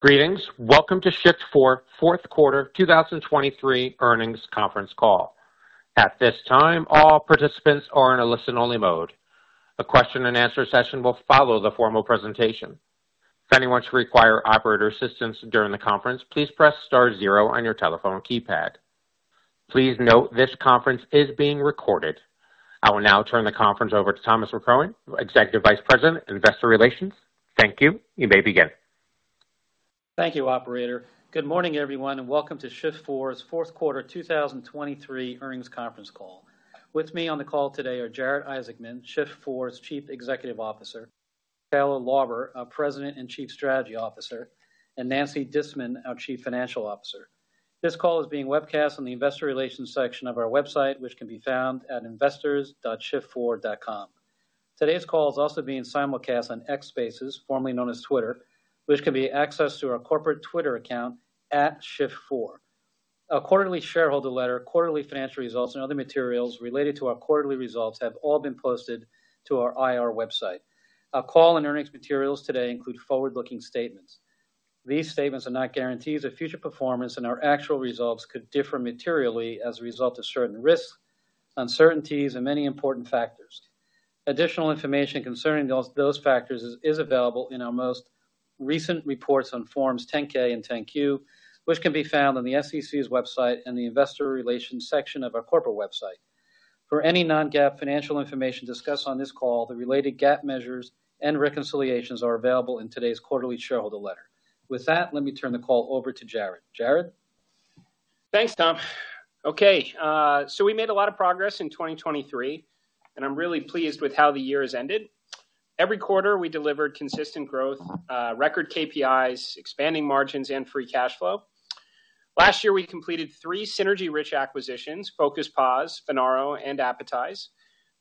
Greetings. Welcome to Shift4 fourth quarter 2023 earnings conference call. At this time, all participants are in a listen-only mode. A question-and-answer session will follow the formal presentation. If anyone should require operator assistance during the conference, please press star zero on your telephone keypad. Please note this conference is being recorded. I will now turn the conference over to Thomas McCrohan, Executive Vice President, Investor Relations. Thank you. You may begin. Thank you, Operator. Good morning, everyone, and welcome to Shift4's fourth quarter 2023 earnings conference call. With me on the call today are Jared Isaacman, Shift4's Chief Executive Officer, Taylor Lauber, our President and Chief Strategy Officer, and Nancy Disman, our Chief Financial Officer. This call is being webcast on the Investor Relations section of our website, which can be found at investors.shift4.com. Today's call is also being simulcast on X Spaces, formerly known as Twitter, which can be accessed through our corporate Twitter account @shift4. A quarterly shareholder letter, quarterly financial results, and other materials related to our quarterly results have all been posted to our IR website. Our call and earnings materials today include forward-looking statements. These statements are not guarantees of future performance, and our actual results could differ materially as a result of certain risks, uncertainties, and many important factors. Additional information concerning those factors is available in our most recent reports on Forms 10-K and 10-Q, which can be found on the SEC's website and the Investor Relations section of our corporate website. For any non-GAAP financial information discussed on this call, the related GAAP measures and reconciliations are available in today's quarterly shareholder letter. With that, let me turn the call over to Jared. Jared? Thanks, Tom. Okay, so we made a lot of progress in 2023, and I'm really pleased with how the year has ended. Every quarter we delivered consistent growth, record KPIs, expanding margins, and free cash flow. Last year we completed three synergy-rich acquisitions: Focus POS, Finaro, and Appetize.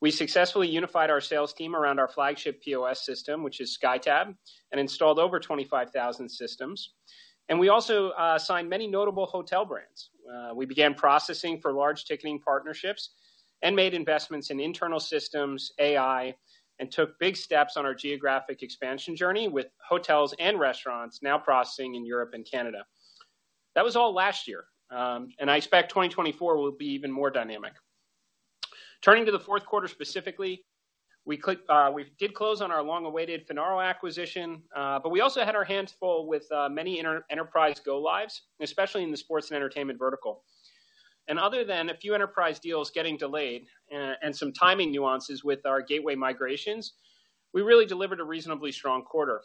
We successfully unified our sales team around our flagship POS system, which is SkyTab, and installed over 25,000 systems. We also signed many notable hotel brands. We began processing for large ticketing partnerships and made investments in internal systems, AI, and took big steps on our geographic expansion journey with hotels and restaurants now processing in Europe and Canada. That was all last year, and I expect 2024 will be even more dynamic. Turning to the fourth quarter specifically, we did close on our long-awaited Finaro acquisition, but we also had our hands full with many enterprise go-lives, especially in the sports and entertainment vertical. Other than a few enterprise deals getting delayed and some timing nuances with our gateway migrations, we really delivered a reasonably strong quarter.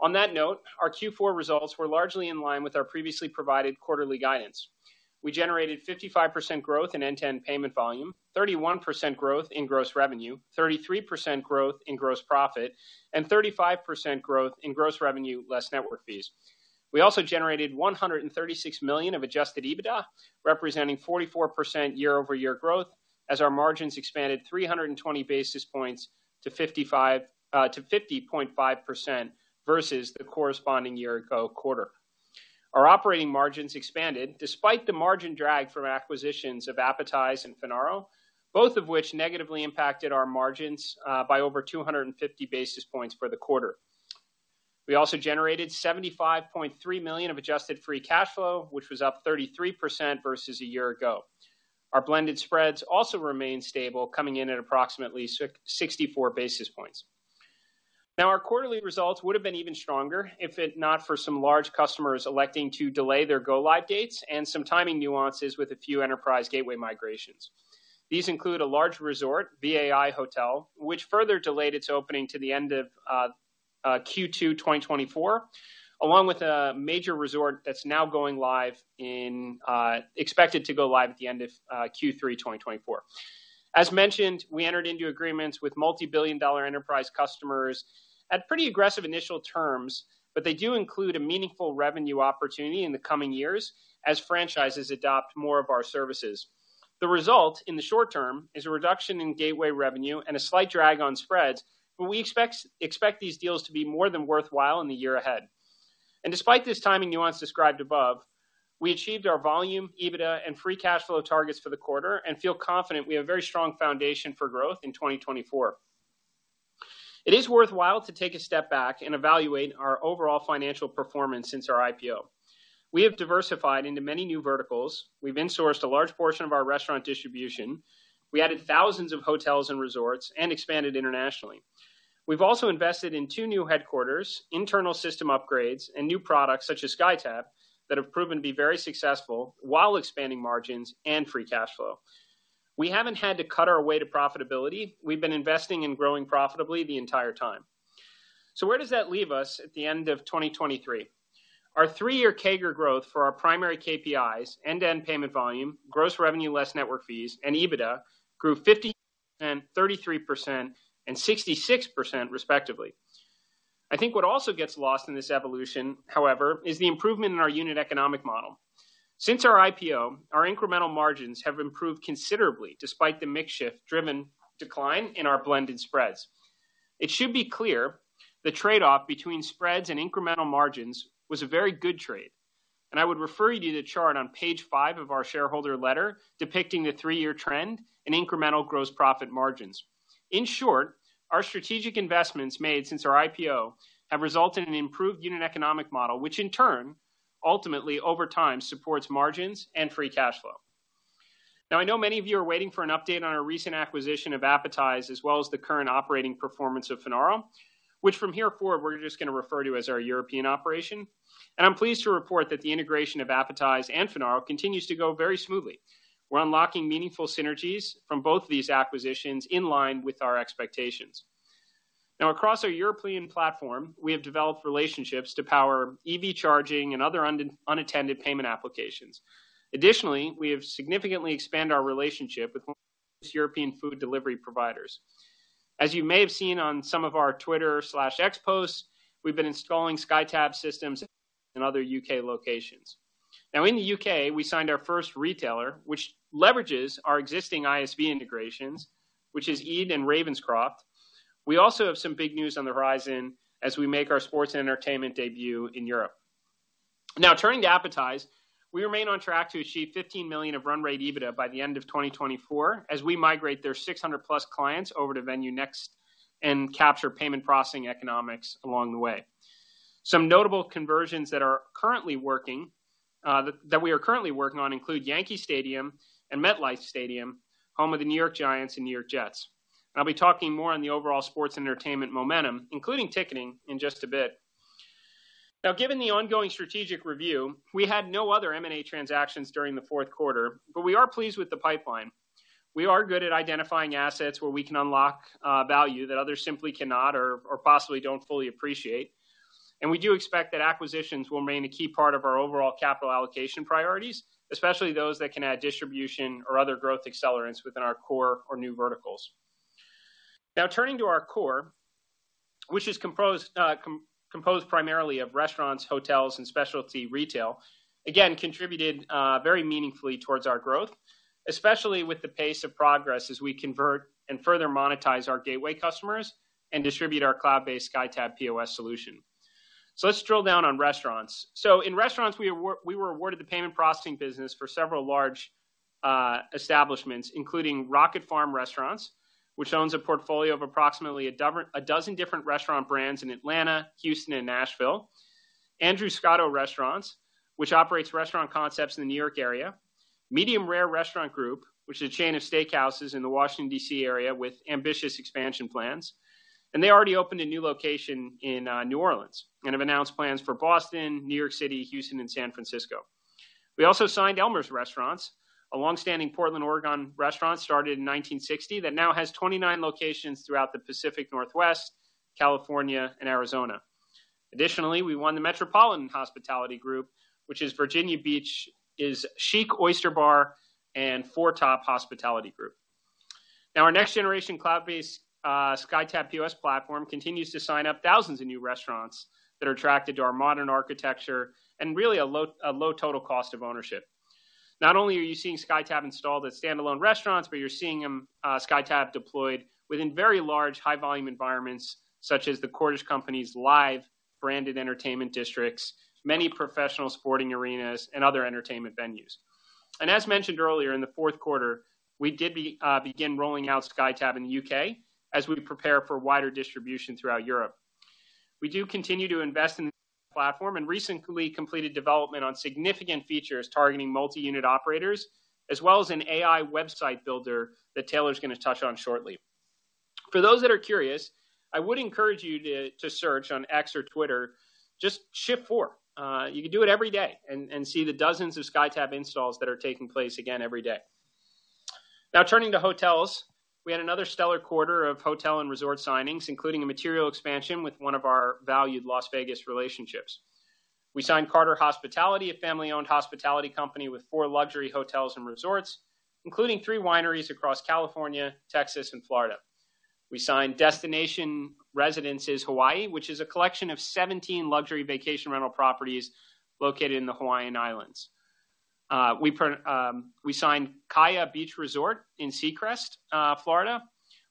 On that note, our Q4 results were largely in line with our previously provided quarterly guidance. We generated 55% growth in end-to-end payment volume, 31% growth in gross revenue, 33% growth in gross profit, and 35% growth in gross revenue less network fees. We also generated $136 million of adjusted EBITDA, representing 44% year-over-year growth, as our margins expanded 320 basis points to 50.5% versus the corresponding year-ago quarter. Our operating margins expanded despite the margin drag from acquisitions of Appetize and Finaro, both of which negatively impacted our margins by over 250 basis points for the quarter. We also generated $75.3 million of adjusted free cash flow, which was up 33% versus a year ago. Our blended spreads also remained stable, coming in at approximately 64 basis points. Now, our quarterly results would have been even stronger if it not for some large customers electing to delay their go-live dates and some timing nuances with a few enterprise gateway migrations. These include a large resort, VAI hotel, which further delayed its opening to the end of Q2 2024, along with a major resort that's now expected to go live at the end of Q3 2024. As mentioned, we entered into agreements with multibillion-dollar enterprise customers at pretty aggressive initial terms, but they do include a meaningful revenue opportunity in the coming years as franchises adopt more of our services. The result, in the short term, is a reduction in gateway revenue and a slight drag on spreads, but we expect these deals to be more than worthwhile in the year ahead. Despite this timing nuance described above, we achieved our volume, EBITDA, and free cash flow targets for the quarter and feel confident we have a very strong foundation for growth in 2024. It is worthwhile to take a step back and evaluate our overall financial performance since our IPO. We have diversified into many new verticals. We've insourced a large portion of our restaurant distribution. We added thousands of hotels and resorts and expanded internationally. We've also invested in two new headquarters, internal system upgrades, and new products such as SkyTab that have proven to be very successful while expanding margins and free cash flow. We haven't had to cut our way to profitability. We've been investing and growing profitably the entire time. So where does that leave us at the end of 2023? Our three-year CAGR growth for our primary KPIs, end-to-end payment volume, gross revenue less network fees, and EBITDA grew 50%, 33%, and 66%, respectively. I think what also gets lost in this evolution, however, is the improvement in our unit economic model. Since our IPO, our incremental margins have improved considerably despite the mix-shift-driven decline in our blended spreads. It should be clear the trade-off between spreads and incremental margins was a very good trade, and I would refer you to the chart on page five of our shareholder letter depicting the three-year trend in incremental gross profit margins. In short, our strategic investments made since our IPO have resulted in an improved unit economic model, which in turn, ultimately, over time, supports margins and free cash flow. Now, I know many of you are waiting for an update on our recent acquisition of Appetize as well as the current operating performance of Finaro, which from here forward we're just going to refer to as our European operation. And I'm pleased to report that the integration of Appetize and Finaro continues to go very smoothly. We're unlocking meaningful synergies from both of these acquisitions in line with our expectations. Now, across our European platform, we have developed relationships to power EV charging and other unattended payment applications. Additionally, we have significantly expanded our relationship with most European food delivery providers. As you may have seen on some of our Twitter/X posts, we've been installing SkyTab systems in other U.K. locations. Now, in the U.K., we signed our first retailer, which leverages our existing ISV integrations, which is Ede & Ravenscroft. We also have some big news on the horizon as we make our sports and entertainment debut in Europe. Now, turning to Appetize, we remain on track to achieve $15 million of run rate EBITDA by the end of 2024 as we migrate their 600+ clients over to VenueNext and capture payment processing economics along the way. Some notable conversions that we are currently working on include Yankee Stadium and MetLife Stadium, home of the New York Giants and New York Jets. I'll be talking more on the overall sports and entertainment momentum, including ticketing, in just a bit. Now, given the ongoing strategic review, we had no other M&A transactions during the fourth quarter, but we are pleased with the pipeline. We are good at identifying assets where we can unlock value that others simply cannot or possibly don't fully appreciate. We do expect that acquisitions will remain a key part of our overall capital allocation priorities, especially those that can add distribution or other growth accelerants within our core or new verticals. Now, turning to our core, which is composed primarily of restaurants, hotels, and specialty retail, again contributed very meaningfully toward our growth, especially with the pace of progress as we convert and further monetize our gateway customers and distribute our cloud-based SkyTab POS solution. So let's drill down on restaurants. So in restaurants, we were awarded the payment processing business for several large establishments, including Rocket Farm Restaurants, which owns a portfolio of approximately a dozen different restaurant brands in Atlanta, Houston, and Nashville. Anthony Scotto Restaurants, which operates restaurant concepts in the New York area. Medium Rare Restaurant Group, which is a chain of steakhouses in the Washington, D.C. area with ambitious expansion plans. And they already opened a new location in New Orleans and have announced plans for Boston, New York City, Houston, and San Francisco. We also signed Elmer's Restaurants, a longstanding Portland, Oregon restaurant started in 1960 that now has 29 locations throughout the Pacific Northwest, California, and Arizona. Additionally, we won the Metropolitan Hospitality Group, which is Virginia Beach's Chick's Oyster Bar and 4Top Hospitality Group. Now, our next-generation cloud-based SkyTab POS platform continues to sign up thousands of new restaurants that are attracted to our modern architecture and really a low total cost of ownership. Not only are you seeing SkyTab installed at standalone restaurants, but you're seeing SkyTab deployed within very large, high-volume environments such as the Cordish Companies live branded entertainment districts, many professional sporting arenas, and other entertainment venues. And as mentioned earlier, in the fourth quarter, we did begin rolling out SkyTab in the U.K. as we prepare for wider distribution throughout Europe. We do continue to invest in the platform and recently completed development on significant features targeting multi-unit operators as well as an AI website builder that Taylor's going to touch on shortly. For those that are curious, I would encourage you to search on X or Twitter just Shift4. You can do it every day and see the dozens of SkyTab installs that are taking place again every day. Now, turning to hotels, we had another stellar quarter of hotel and resort signings, including a material expansion with one of our valued Las Vegas relationships. We signed Carter Hospitality, a family-owned hospitality company with four luxury hotels and resorts, including three wineries across California, Texas, and Florida. We signed Destination Residences Hawaii, which is a collection of 17 luxury vacation rental properties located in the Hawaiian Islands. We signed Kaiya Beach Resort in Seacrest, Florida.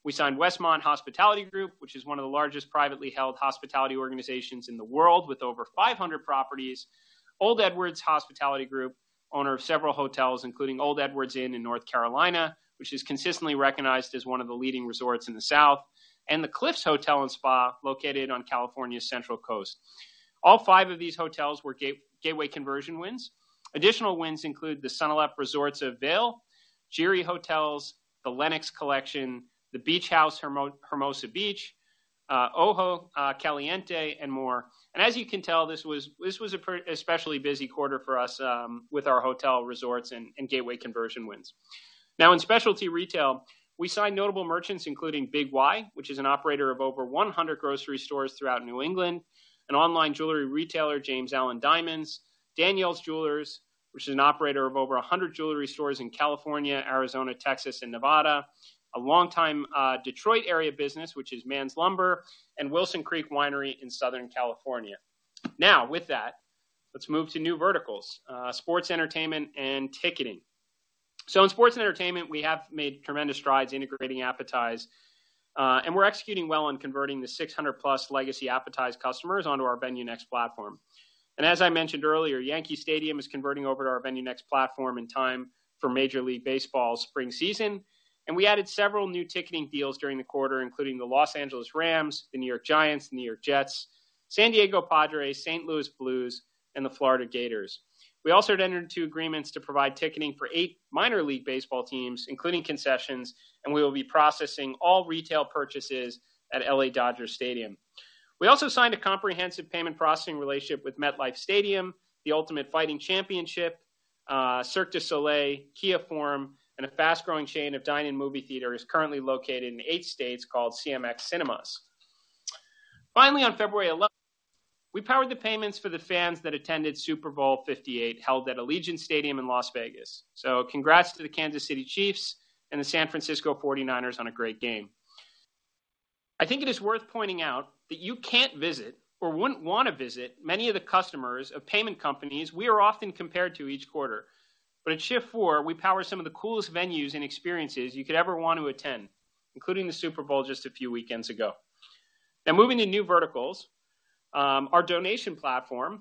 We signed Westmont Hospitality Group, which is one of the largest privately held hospitality organizations in the world with over 500 properties, Old Edwards Hospitality Group, owner of several hotels, including Old Edwards Inn in North Carolina, which is consistently recognized as one of the leading resorts in the South, and The Cliffs Hotel and Spa located on California's central coast. All five of these hotels were gateway conversion wins. Additional wins include the Sonesta Resorts of Vail, Giri Hotels, the Lenox Collection, the Beach House Hermosa Beach, Ojo Caliente, and more. As you can tell, this was an especially busy quarter for us with our hotel resorts and gateway conversion wins. Now, in specialty retail, we signed notable merchants, including Big Y, which is an operator of over 100 grocery stores throughout New England, an online jewelry retailer, James Allen diamonds, Daniel's Jewelers, which is an operator of over 100 jewelry stores in California, Arizona, Texas, and Nevada, a longtime Detroit area business, which is MANS Lumber, and Wilson Creek Winery in Southern California. Now, with that, let's move to new verticals: sports, entertainment, and ticketing. So in sports and entertainment, we have made tremendous strides integrating Appetize, and we're executing well on converting the 600+ legacy Appetize customers onto our VenueNext platform. And as I mentioned earlier, Yankee Stadium is converting over to our VenueNext platform in time for Major League Baseball spring season. We added several new ticketing deals during the quarter, including the Los Angeles Rams, the New York Giants, the New York Jets, San Diego Padres, St. Louis Blues, and the Florida Gators. We also entered into agreements to provide ticketing for eight minor league baseball teams, including concessions, and we will be processing all retail purchases at LA Dodger Stadium. We also signed a comprehensive payment processing relationship with MetLife Stadium, the Ultimate Fighting Championship, Cirque du Soleil, Kia Forum, and a fast-growing chain of dine-in movie theaters currently located in eight states called CMX Cinemas. Finally, on February 11th, we powered the payments for the fans that attended Super Bowl LVIII held at Allegiant Stadium in Las Vegas. So congrats to the Kansas City Chiefs and the San Francisco 49ers on a great game. I think it is worth pointing out that you can't visit or wouldn't want to visit many of the customers of payment companies we are often compared to each quarter. But at Shift4, we power some of the coolest venues and experiences you could ever want to attend, including the Super Bowl just a few weekends ago. Now, moving to new verticals, our donation platform,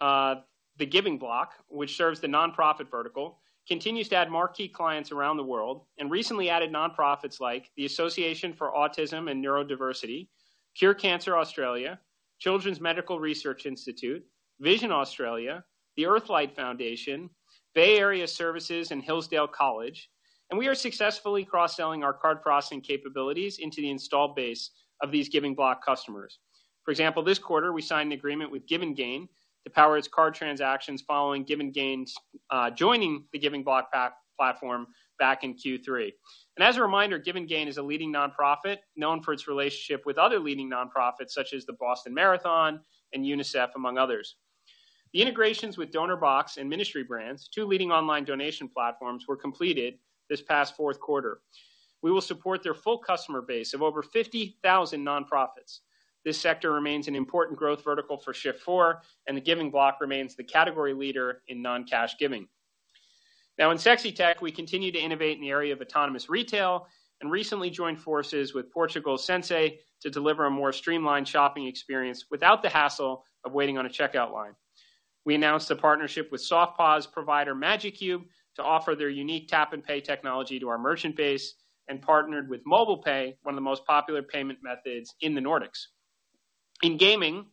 The Giving Block, which serves the nonprofit vertical, continues to add marquee clients around the world and recently added nonprofits like the Association for Autism and Neurodiversity, Cure Cancer Australia, Children's Medical Research Institute, Vision Australia, the Earthlight Foundation, Bay Area Services, and Hillsdale College. And we are successfully cross-selling our card processing capabilities into the installed base of these Giving Block customers. For example, this quarter, we signed an agreement with GivenGain to power its card transactions following GivenGain's joining The Giving Block platform back in Q3. And as a reminder, GivenGain is a leading nonprofit known for its relationship with other leading nonprofits such as the Boston Marathon and UNICEF, among others. The integrations with DonorBox and Ministry Brands, two leading online donation platforms, were completed this past fourth quarter. We will support their full customer base of over 50,000 nonprofits. This sector remains an important growth vertical for Shift4, and The Giving Block remains the category leader in non-cash giving. Now, in sexy tech, we continue to innovate in the area of autonomous retail and recently joined forces with Portugal Sensei to deliver a more streamlined shopping experience without the hassle of waiting on a checkout line. We announced a partnership with SoftPOS provider MagicCube to offer their unique tap-and-pay technology to our merchant base and partnered with MobilePay, one of the most popular payment methods in the Nordics. In gaming,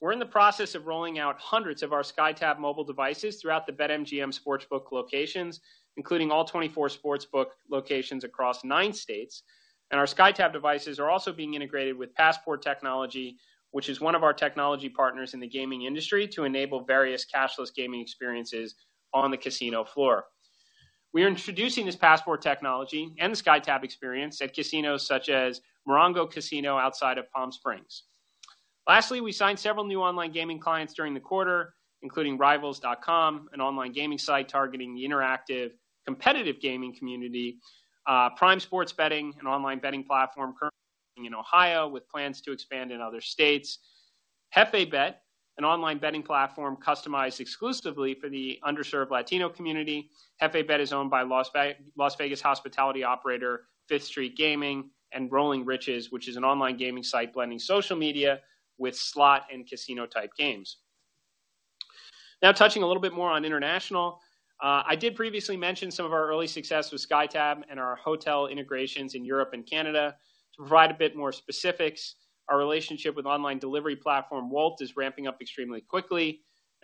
we're in the process of rolling out hundreds of our SkyTab mobile devices throughout the BetMGM Sportsbook locations, including all 24 Sportsbook locations across nine states. Our SkyTab devices are also being integrated with Passport Technology, which is one of our technology partners in the gaming industry, to enable various cashless gaming experiences on the casino floor. We are introducing this Passport Technology and the SkyTab experience at casinos such as Morongo Casino outside of Palm Springs. Lastly, we signed several new online gaming clients during the quarter, including Rivals.com, an online gaming site targeting the interactive, competitive gaming community. Prime Sports Betting, an online betting platform currently in Ohio with plans to expand in other states. JefeBet, an online betting platform customized exclusively for the underserved Latino community. JefeBet is owned by Las Vegas hospitality operator Fifth Street Gaming. and Rolling Riches, which is an online gaming site blending social media with slot and casino-type games. Now, touching a little bit more on international, I did previously mention some of our early success with SkyTab and our hotel integrations in Europe and Canada. To provide a bit more specifics, our relationship with online delivery platform Wolt is ramping up extremely quickly.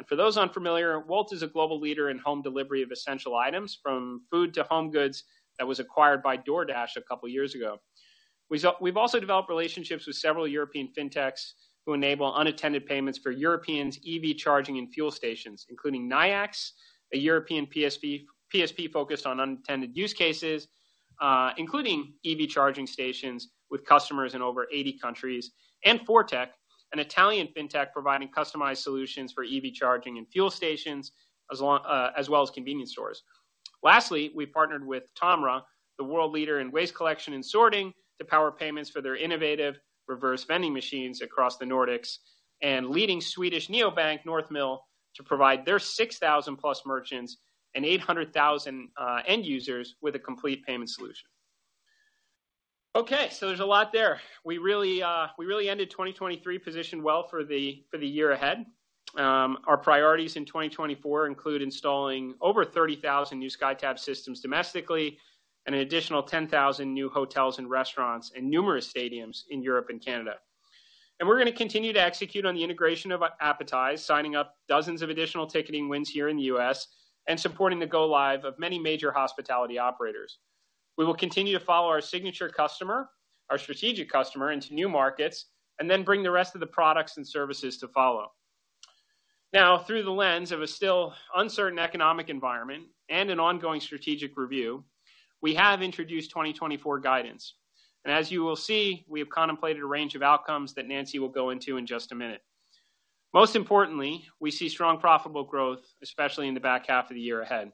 For those unfamiliar, Wolt is a global leader in home delivery of essential items, from food to home goods that was acquired by DoorDash a couple of years ago. We've also developed relationships with several European fintechs who enable unattended payments for Europeans' EV charging and fuel stations, including Nayax, a European PSP focused on unattended use cases, including EV charging stations with customers in over 80 countries, and Fortech, an Italian fintech providing customized solutions for EV charging and fuel stations as well as convenience stores. Lastly, we partnered with TOMRA, the world leader in waste collection and sorting, to power payments for their innovative reverse vending machines across the Nordics, and leading Swedish neobank, Northmill, to provide their 6,000+ merchants and 800,000 end users with a complete payment solution. Okay, there's a lot there. We really ended 2023 positioned well for the year ahead. Our priorities in 2024 include installing over 30,000 new SkyTab systems domestically and an additional 10,000 new hotels and restaurants and numerous stadiums in Europe and Canada. And we're going to continue to execute on the integration of Appetize, signing up dozens of additional ticketing wins here in the U.S., and supporting the go-live of many major hospitality operators. We will continue to follow our signature customer, our strategic customer, into new markets and then bring the rest of the products and services to follow. Now, through the lens of a still uncertain economic environment and an ongoing strategic review, we have introduced 2024 guidance. And as you will see, we have contemplated a range of outcomes that Nancy will go into in just a minute. Most importantly, we see strong profitable growth, especially in the back half of the year ahead.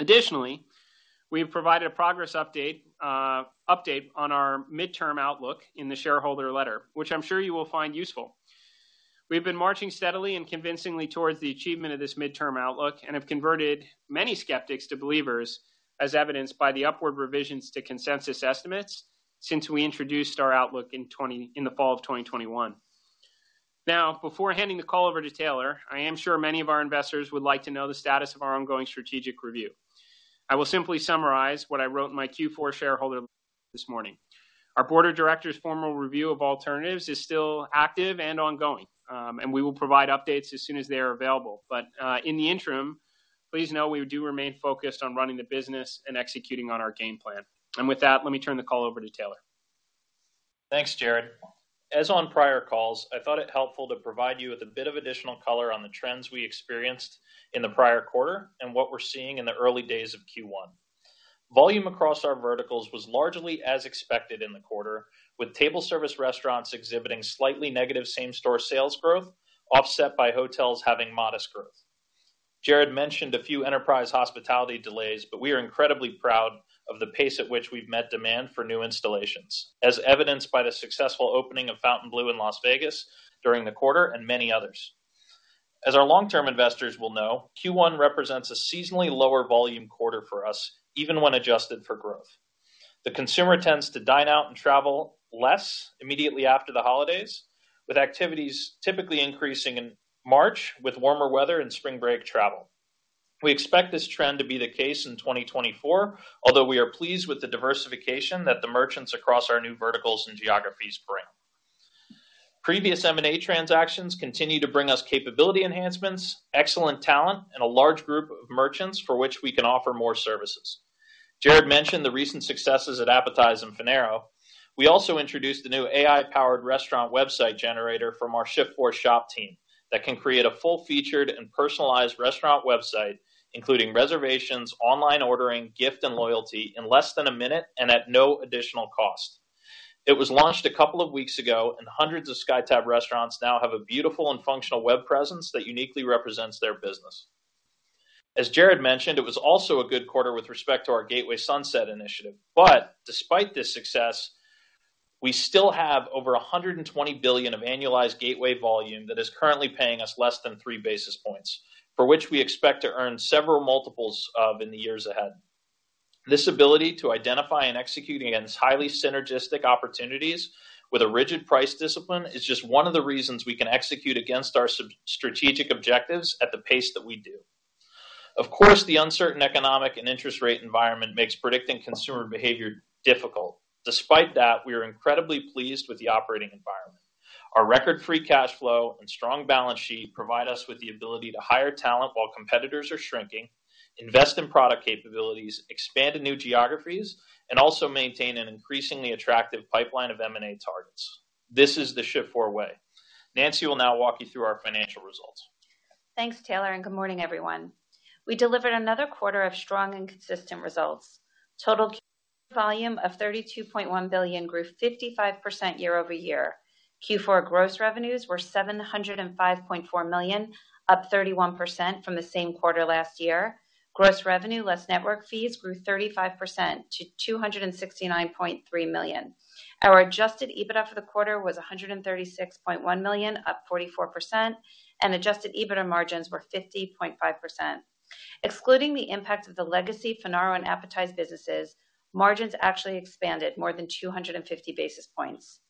Additionally, we have provided a progress update on our midterm outlook in the shareholder letter, which I'm sure you will find useful. We've been marching steadily and convincingly towards the achievement of this midterm outlook and have converted many skeptics to believers, as evidenced by the upward revisions to consensus estimates since we introduced our outlook in the fall of 2021. Now, before handing the call over to Taylor, I am sure many of our investors would like to know the status of our ongoing strategic review. I will simply summarize what I wrote in my Q4 shareholder letter this morning. Our Board of Directors' formal review of alternatives is still active and ongoing, and we will provide updates as soon as they are available. But in the interim, please know we do remain focused on running the business and executing on our game plan. With that, let me turn the call over to Taylor. Thanks, Jared. As on prior calls, I thought it helpful to provide you with a bit of additional color on the trends we experienced in the prior quarter and what we're seeing in the early days of Q1. Volume across our verticals was largely as expected in the quarter, with table service restaurants exhibiting slightly negative same-store sales growth, offset by hotels having modest growth. Jared mentioned a few enterprise hospitality delays, but we are incredibly proud of the pace at which we've met demand for new installations, as evidenced by the successful opening of Fontainebleau Las Vegas during the quarter and many others. As our long-term investors will know, Q1 represents a seasonally lower volume quarter for us, even when adjusted for growth. The consumer tends to dine out and travel less immediately after the holidays, with activities typically increasing in March with warmer weather and spring break travel. We expect this trend to be the case in 2024, although we are pleased with the diversification that the merchants across our new verticals and geographies perform. Previous M&A transactions continue to bring us capability enhancements, excellent talent, and a large group of merchants for which we can offer more services. Jared mentioned the recent successes at Appetize and Finaro. We also introduced a new AI-powered restaurant website generator from our Shift4Shop team that can create a full-featured and personalized restaurant website, including reservations, online ordering, gift, and loyalty, in less than a minute and at no additional cost. It was launched a couple of weeks ago, and hundreds of SkyTab restaurants now have a beautiful and functional web presence that uniquely represents their business. As Jared mentioned, it was also a good quarter with respect to our Gateway Sunset Initiative. Despite this success, we still have over $120 billion of annualized gateway volume that is currently paying us less than 3 basis points, for which we expect to earn several multiples of in the years ahead. This ability to identify and execute against highly synergistic opportunities with a rigid price discipline is just one of the reasons we can execute against our strategic objectives at the pace that we do. Of course, the uncertain economic and interest rate environment makes predicting consumer behavior difficult. Despite that, we are incredibly pleased with the operating environment. Our record free cash flow and strong balance sheet provide us with the ability to hire talent while competitors are shrinking, invest in product capabilities, expand to new geographies, and also maintain an increasingly attractive pipeline of M&A targets. This is the Shift4 way. Nancy will now walk you through our financial results. Thanks, Taylor, and good morning, everyone. We delivered another quarter of strong and consistent results. Total Q4 volume of $32.1 billion grew 55% year-over-year. Q4 gross revenues were $705.4 million, up 31% from the same quarter last year. Gross revenue less network fees grew 35% to $269.3 million. Our adjusted EBITDA for the quarter was $136.1 million, up 44%, and adjusted EBITDA margins were 50.5%. Excluding the impact of the legacy Finaro and Appetize businesses, margins actually expanded more than 250 basis points.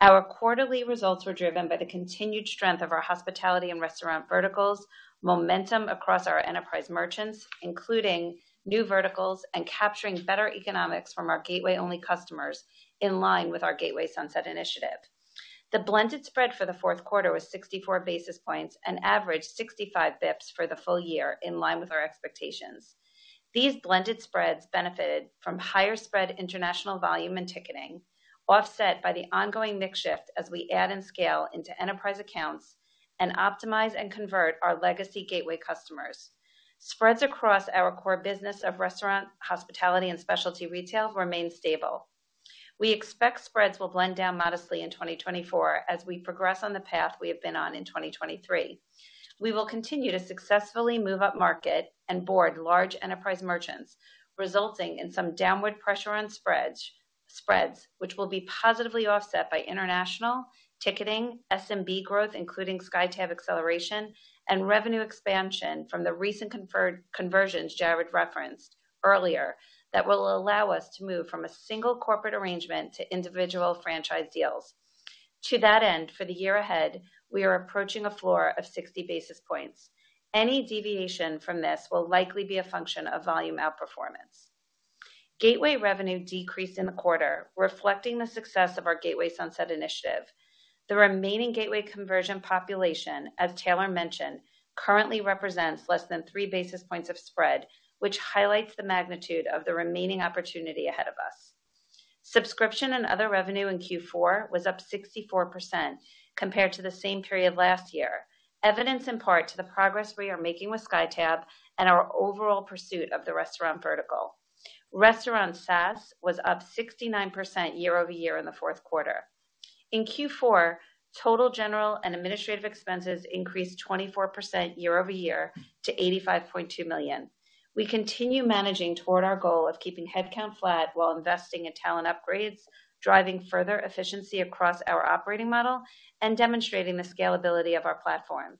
Our quarterly results were driven by the continued strength of our hospitality and restaurant verticals, momentum across our enterprise merchants, including new verticals, and capturing better economics from our gateway-only customers in line with our Gateway Sunset Initiative. The blended spread for the fourth quarter was 64 basis points and averaged 65 basis points for the full year, in line with our expectations. These blended spreads benefited from higher spread international volume and ticketing, offset by the ongoing mix shift as we add and scale into enterprise accounts and optimize and convert our legacy gateway customers. Spreads across our core business of restaurant, hospitality, and specialty retail remain stable. We expect spreads will blend down modestly in 2024 as we progress on the path we have been on in 2023. We will continue to successfully move up market and board large enterprise merchants, resulting in some downward pressure on spreads, which will be positively offset by international ticketing, SMB growth, including SkyTab acceleration, and revenue expansion from the recent conversions Jared referenced earlier that will allow us to move from a single corporate arrangement to individual franchise deals. To that end, for the year ahead, we are approaching a floor of 60 basis points. Any deviation from this will likely be a function of volume outperformance. Gateway revenue decreased in the quarter, reflecting the success of our Gateway Sunset Initiative. The remaining gateway conversion population, as Taylor mentioned, currently represents less than 3 basis points of spread, which highlights the magnitude of the remaining opportunity ahead of us. Subscription and other revenue in Q4 was up 64% compared to the same period last year, evidence in part to the progress we are making with SkyTab and our overall pursuit of the restaurant vertical. Restaurant SaaS was up 69% year-over-year in the fourth quarter. In Q4, total general and administrative expenses increased 24% year-over-year to $85.2 million. We continue managing toward our goal of keeping headcount flat while investing in talent upgrades, driving further efficiency across our operating model, and demonstrating the scalability of our platform.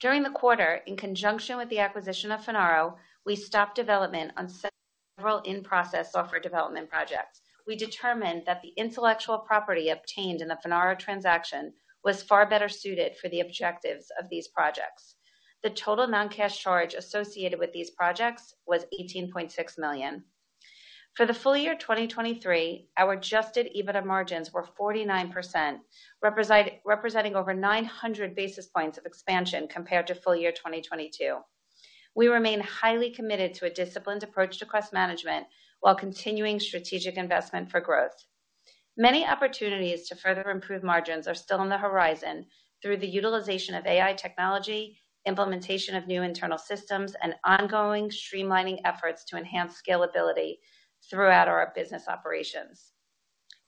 During the quarter, in conjunction with the acquisition of Finaro, we stopped development on several in-process software development projects. We determined that the intellectual property obtained in the Finaro transaction was far better suited for the objectives of these projects. The total non-cash charge associated with these projects was $18.6 million. For the full year 2023, our adjusted EBITDA margins were 49%, representing over 900 basis points of expansion compared to full year 2022. We remain highly committed to a disciplined approach to cost management while continuing strategic investment for growth. Many opportunities to further improve margins are still on the horizon through the utilization of AI technology, implementation of new internal systems, and ongoing streamlining efforts to enhance scalability throughout our business operations.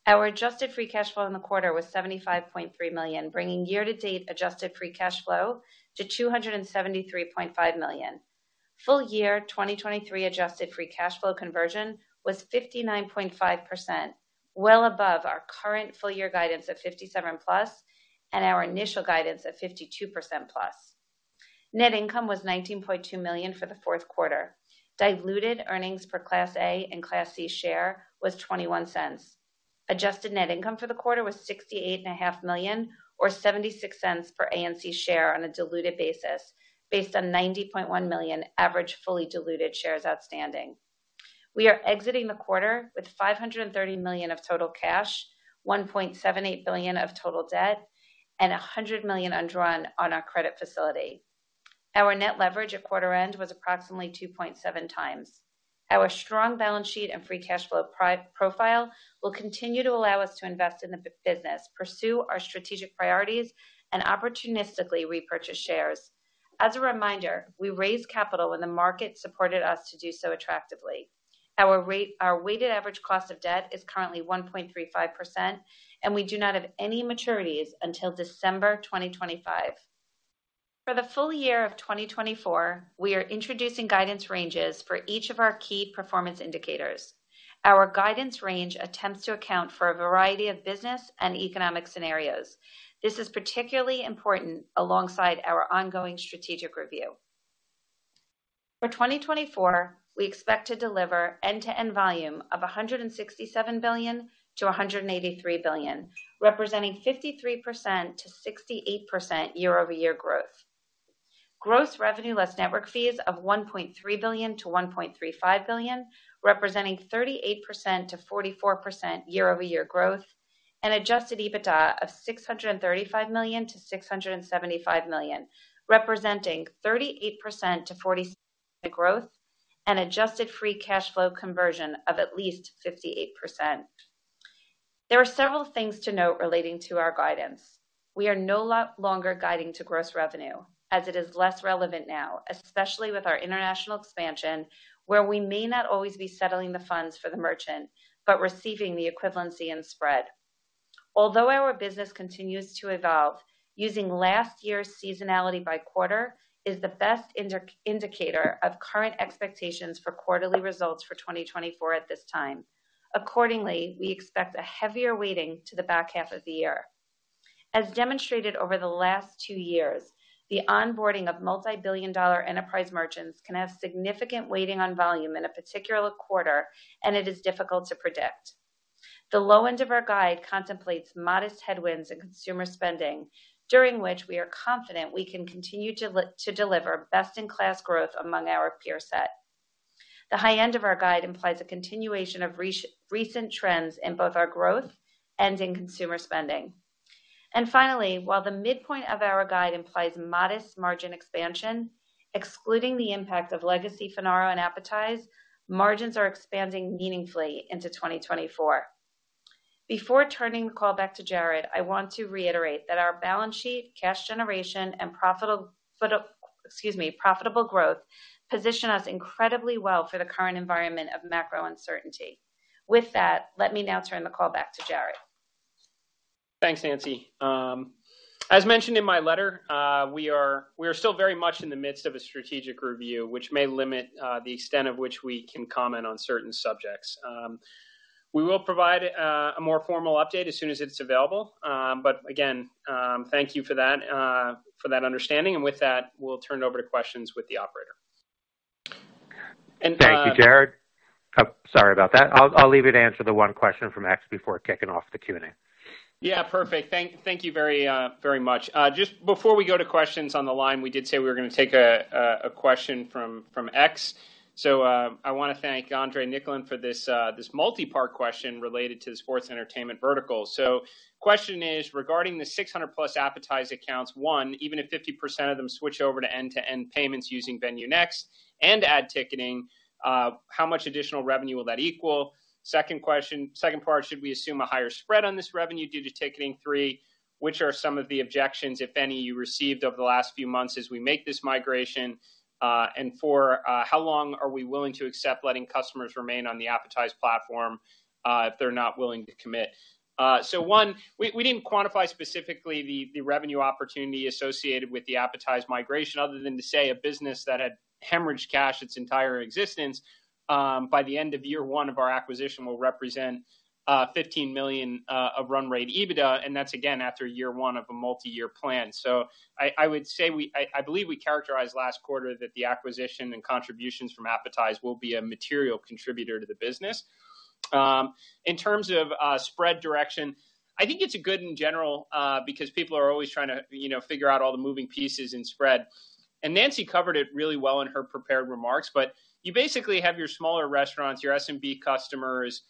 Our adjusted free cash flow in the quarter was $75.3 million, bringing year-to-date adjusted free cash flow to $273.5 million. Full year 2023 adjusted free cash flow conversion was 59.5%, well above our current full-year guidance of 57%+ and our initial guidance of 52%+. Net income was $19.2 million for the fourth quarter. Diluted earnings per Class A and Class C share was $0.21. Adjusted net income for the quarter was $68.5 million or $0.76 per A&C share on a diluted basis, based on 90.1 million average fully diluted shares outstanding. We are exiting the quarter with $530 million of total cash, $1.78 billion of total debt, and $100 million undrawn on our credit facility. Our net leverage at quarter end was approximately 2.7x. Our strong balance sheet and free cash flow profile will continue to allow us to invest in the business, pursue our strategic priorities, and opportunistically repurchase shares. As a reminder, we raised capital when the market supported us to do so attractively. Our weighted average cost of debt is currently 1.35%, and we do not have any maturities until December 2025. For the full year of 2024, we are introducing guidance ranges for each of our key performance indicators. Our guidance range attempts to account for a variety of business and economic scenarios. This is particularly important alongside our ongoing strategic review. For 2024, we expect to deliver end-to-end volume of $167 billion-$183 billion, representing 53%-68% year-over-year growth. Gross revenue less network fees of $1.3 billion-$1.35 billion, representing 38%-44% year-over-year growth, and adjusted EBITDA of $635 million-$675 million, representing 38%-47% growth and adjusted free cash flow conversion of at least 58%. There are several things to note relating to our guidance. We are no longer guiding to gross revenue, as it is less relevant now, especially with our international expansion, where we may not always be settling the funds for the merchant but receiving the equivalency in spread. Although our business continues to evolve, using last year's seasonality by quarter is the best indicator of current expectations for quarterly results for 2024 at this time. Accordingly, we expect a heavier weighting to the back half of the year. As demonstrated over the last two years, the onboarding of multi-billion-dollar enterprise merchants can have significant weighting on volume in a particular quarter, and it is difficult to predict. The low end of our guide contemplates modest headwinds in consumer spending, during which we are confident we can continue to deliver best-in-class growth among our peer set. The high end of our guide implies a continuation of recent trends in both our growth and in consumer spending. Finally, while the midpoint of our guide implies modest margin expansion, excluding the impact of legacy Finaro and Appetize, margins are expanding meaningfully into 2024. Before turning the call back to Jared, I want to reiterate that our balance sheet, cash generation, and profitable growth position us incredibly well for the current environment of macro uncertainty. With that, let me now turn the call back to Jared. Thanks, Nancy. As mentioned in my letter, we are still very much in the midst of a strategic review, which may limit the extent of which we can comment on certain subjects. We will provide a more formal update as soon as it's available. But again, thank you for that understanding. And with that, we'll turn it over to questions with the operator. Thank you, Jared. Sorry about that. I'll leave you to answer the one question from X before kicking off the Q&A. Yeah, perfect. Thank you very much. Just before we go to questions on the line, we did say we were going to take a question from X. So I want to thank Andrei Nicolin for this multi-part question related to the sports entertainment vertical. So question is, regarding the 600+ Appetize accounts, one, even if 50% of them switch over to end-to-end payments using VenueNext and add ticketing, how much additional revenue will that equal? Second part, should we assume a higher spread on this revenue due to ticketing? Three, which are some of the objections, if any, you received over the last few months as we make this migration? And four, how long are we willing to accept letting customers remain on the Appetize platform if they're not willing to commit? So one, we didn't quantify specifically the revenue opportunity associated with the Appetize migration, other than to say a business that had hemorrhaged cash its entire existence, by the end of year one of our acquisition will represent $15 million of run rate EBITDA. And that's, again, after year one of a multi-year plan. So I would say I believe we characterized last quarter that the acquisition and contributions from Appetize will be a material contributor to the business. In terms of spread direction, I think it's good in general because people are always trying to figure out all the moving pieces in spread. And Nancy covered it really well in her prepared remarks. But you basically have your smaller restaurants, your SMB customers,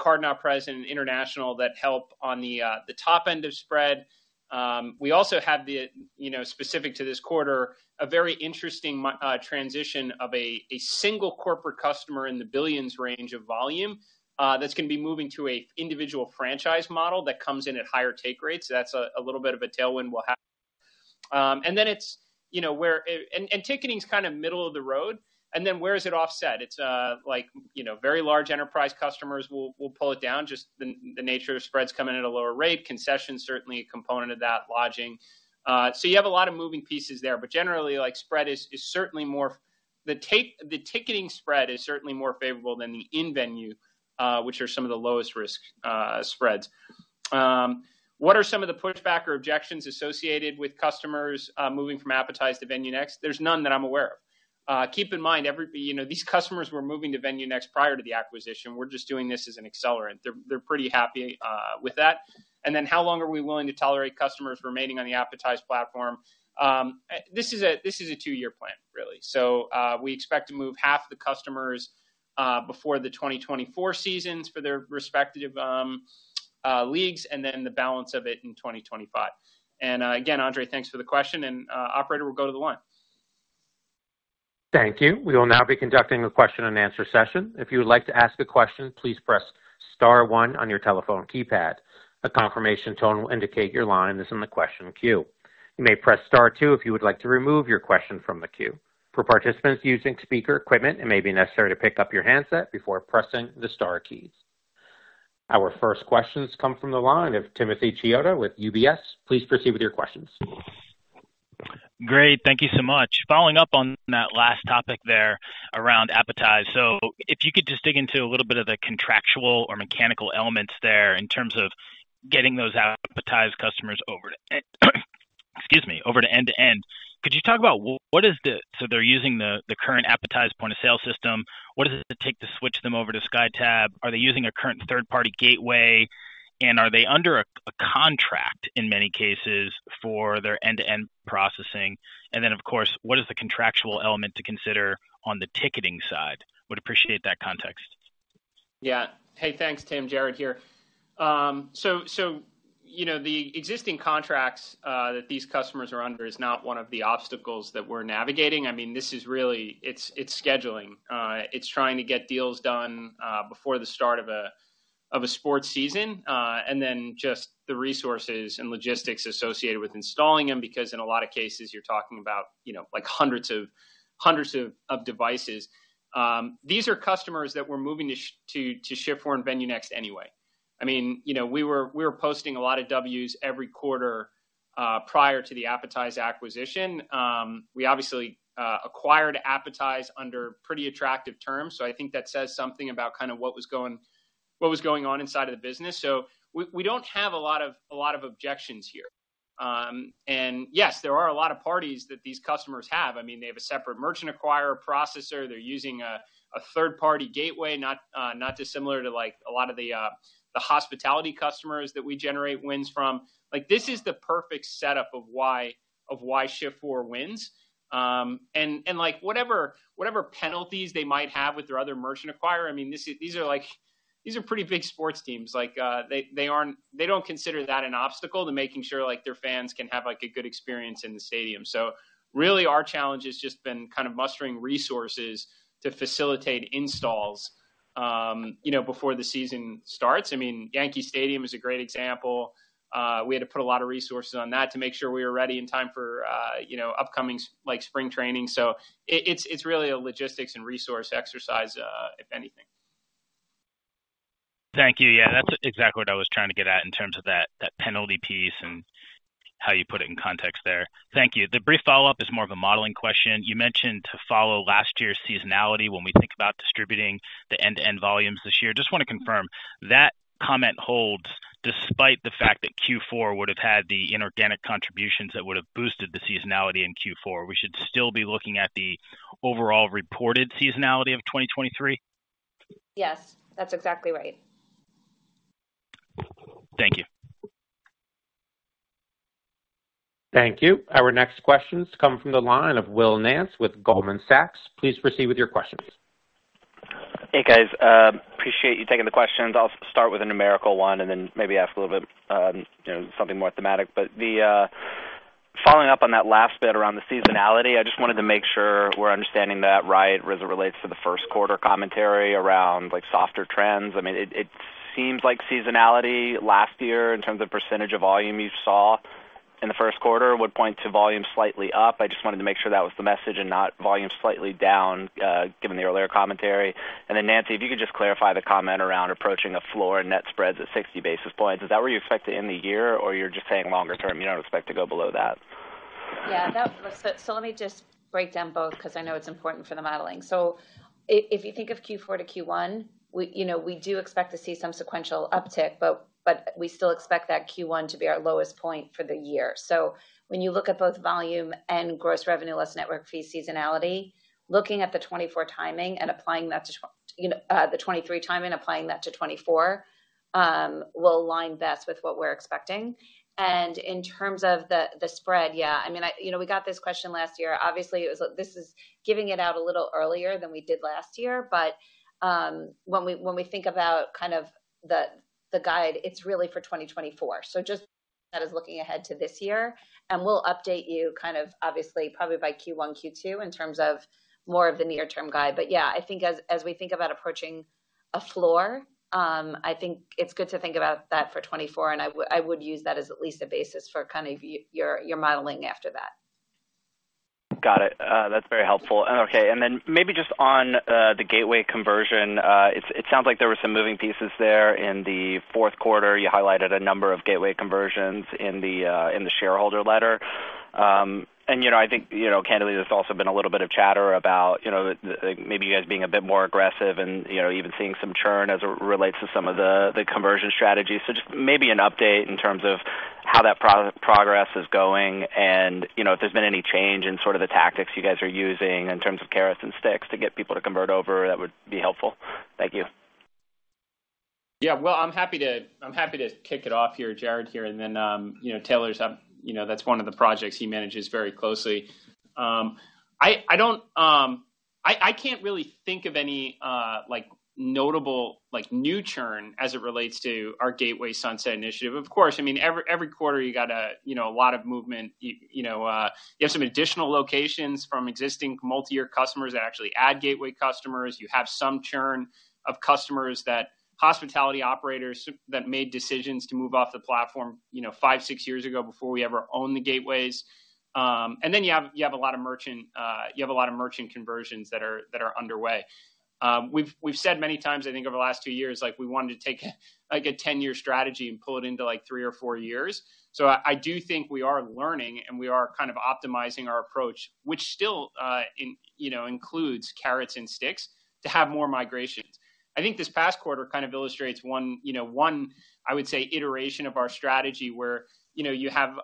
card not present and international that help on the top end of spread. We also have, specific to this quarter, a very interesting transition of a single corporate customer in the billions range of volume that's going to be moving to an individual franchise model that comes in at higher take rates. That's a little bit of a tailwind we'll have. And then it's where and ticketing's kind of middle of the road. And then where is it offset? It's very large enterprise customers will pull it down, just the nature of spreads coming at a lower rate. Concessions, certainly a component of that, lodging. So you have a lot of moving pieces there. But generally, spread is certainly more the ticketing spread is certainly more favorable than the in-venue, which are some of the lowest risk spreads. What are some of the pushback or objections associated with customers moving from Appetize to VenueNext? There's none that I'm aware of. Keep in mind, these customers were moving to VenueNext prior to the acquisition. We're just doing this as an accelerant. They're pretty happy with that. And then how long are we willing to tolerate customers remaining on the Appetize platform? This is a two-year plan, really. So we expect to move half the customers before the 2024 seasons for their respective leagues and then the balance of it in 2025. And again, Andrei, thanks for the question. And Operator, we'll go to the one. Thank you. We will now be conducting a question-and-answer session. If you would like to ask a question, please press star one on your telephone keypad. A confirmation tone will indicate your line is in the question queue. You may press star two if you would like to remove your question from the queue. For participants using speaker equipment, it may be necessary to pick up your handset before pressing the star keys. Our first questions come from the line of Timothy Chiodo with UBS. Please proceed with your questions. Great. Thank you so much. Following up on that last topic there around Appetize, so if you could just dig into a little bit of the contractual or mechanical elements there in terms of getting those Appetize customers over to, excuse me, over to end-to-end, could you talk about what is the, so they're using the current Appetize point of sale system. What does it take to switch them over to SkyTab? Are they using a current third-party gateway? And are they under a contract, in many cases, for their end-to-end processing? And then, of course, what is the contractual element to consider on the ticketing side? Would appreciate that context. Yeah. Hey, thanks, Tim. Jared here. So the existing contracts that these customers are under is not one of the obstacles that we're navigating. I mean, this is really it's scheduling. It's trying to get deals done before the start of a sports season and then just the resources and logistics associated with installing them because in a lot of cases, you're talking about hundreds of devices. These are customers that we're moving to Shift4 VenueNext anyway. I mean, we were posting a lot of Ws every quarter prior to the Appetize acquisition. We obviously acquired Appetize under pretty attractive terms. So I think that says something about kind of what was going on inside of the business. So we don't have a lot of objections here. And yes, there are a lot of parties that these customers have. I mean, they have a separate merchant acquirer processor. They're using a third-party gateway, not dissimilar to a lot of the hospitality customers that we generate wins from. This is the perfect setup of why Shift4 wins. Whatever penalties they might have with their other merchant acquirer, I mean, these are pretty big sports teams. They don't consider that an obstacle to making sure their fans can have a good experience in the stadium. So really, our challenge has just been kind of mustering resources to facilitate installs before the season starts. I mean, Yankee Stadium is a great example. We had to put a lot of resources on that to make sure we were ready in time for upcoming spring training. So it's really a logistics and resource exercise, if anything. Thank you. Yeah, that's exactly what I was trying to get at in terms of that penalty piece and how you put it in context there. Thank you. The brief follow-up is more of a modeling question. You mentioned to follow last year's seasonality when we think about distributing the end-to-end volumes this year. Just want to confirm, that comment holds despite the fact that Q4 would have had the inorganic contributions that would have boosted the seasonality in Q4? We should still be looking at the overall reported seasonality of 2023? Yes, that's exactly right. Thank you. Thank you. Our next questions come from the line of Will Nance with Goldman Sachs. Please proceed with your questions. Hey, guys. Appreciate you taking the questions. I'll start with a numerical one and then maybe ask a little bit something more thematic. But following up on that last bit around the seasonality, I just wanted to make sure we're understanding that right as it relates to the first quarter commentary around softer trends. I mean, it seems like seasonality last year, in terms of percentage of volume you saw in the first quarter, would point to volume slightly up. I just wanted to make sure that was the message and not volume slightly down, given the earlier commentary. And then, Nancy, if you could just clarify the comment around approaching a floor in net spreads at 60 basis points. Is that where you expect to end the year, or you're just saying longer-term you don't expect to go below that? Yeah. So let me just break down both because I know it's important for the modeling. So if you think of Q4 to Q1, we do expect to see some sequential uptick, but we still expect that Q1 to be our lowest point for the year. So when you look at both volume and gross revenue less network fee seasonality, looking at the 2024 timing and applying that to the 2023 timing, applying that to 2024, will align best with what we're expecting. And in terms of the spread, yeah, I mean, we got this question last year. Obviously, this is giving it out a little earlier than we did last year. But when we think about kind of the guide, it's really for 2024. So just that is looking ahead to this year. We'll update you kind of, obviously, probably by Q1, Q2 in terms of more of the near-term guide. Yeah, I think as we think about approaching a floor, I think it's good to think about that for 2024. I would use that as at least a basis for kind of your modeling after that. Got it. That's very helpful. Okay. And then maybe just on the gateway conversion, it sounds like there were some moving pieces there in the fourth quarter. You highlighted a number of gateway conversions in the shareholder letter. And I think, candidly, there's also been a little bit of chatter about maybe you guys being a bit more aggressive and even seeing some churn as it relates to some of the conversion strategies. So just maybe an update in terms of how that progress is going and if there's been any change in sort of the tactics you guys are using in terms of carrots and sticks to get people to convert over, that would be helpful. Thank you. Yeah. Well, I'm happy to kick it off here, Jared here. And then, Taylor, that's one of the projects he manages very closely. I can't really think of any notable new churn as it relates to our Gateway Sunset Initiative. Of course, I mean, every quarter, you got a lot of movement. You have some additional locations from existing multi-year customers that actually add gateway customers. You have some churn of customers that hospitality operators that made decisions to move off the platform five, six years ago before we ever owned the gateways. And then you have a lot of merchant you have a lot of merchant conversions that are underway. We've said many times, I think, over the last two years, we wanted to take a 10-year strategy and pull it into three or four years. So I do think we are learning and we are kind of optimizing our approach, which still includes carrots and sticks, to have more migrations. I think this past quarter kind of illustrates one, I would say, iteration of our strategy where you have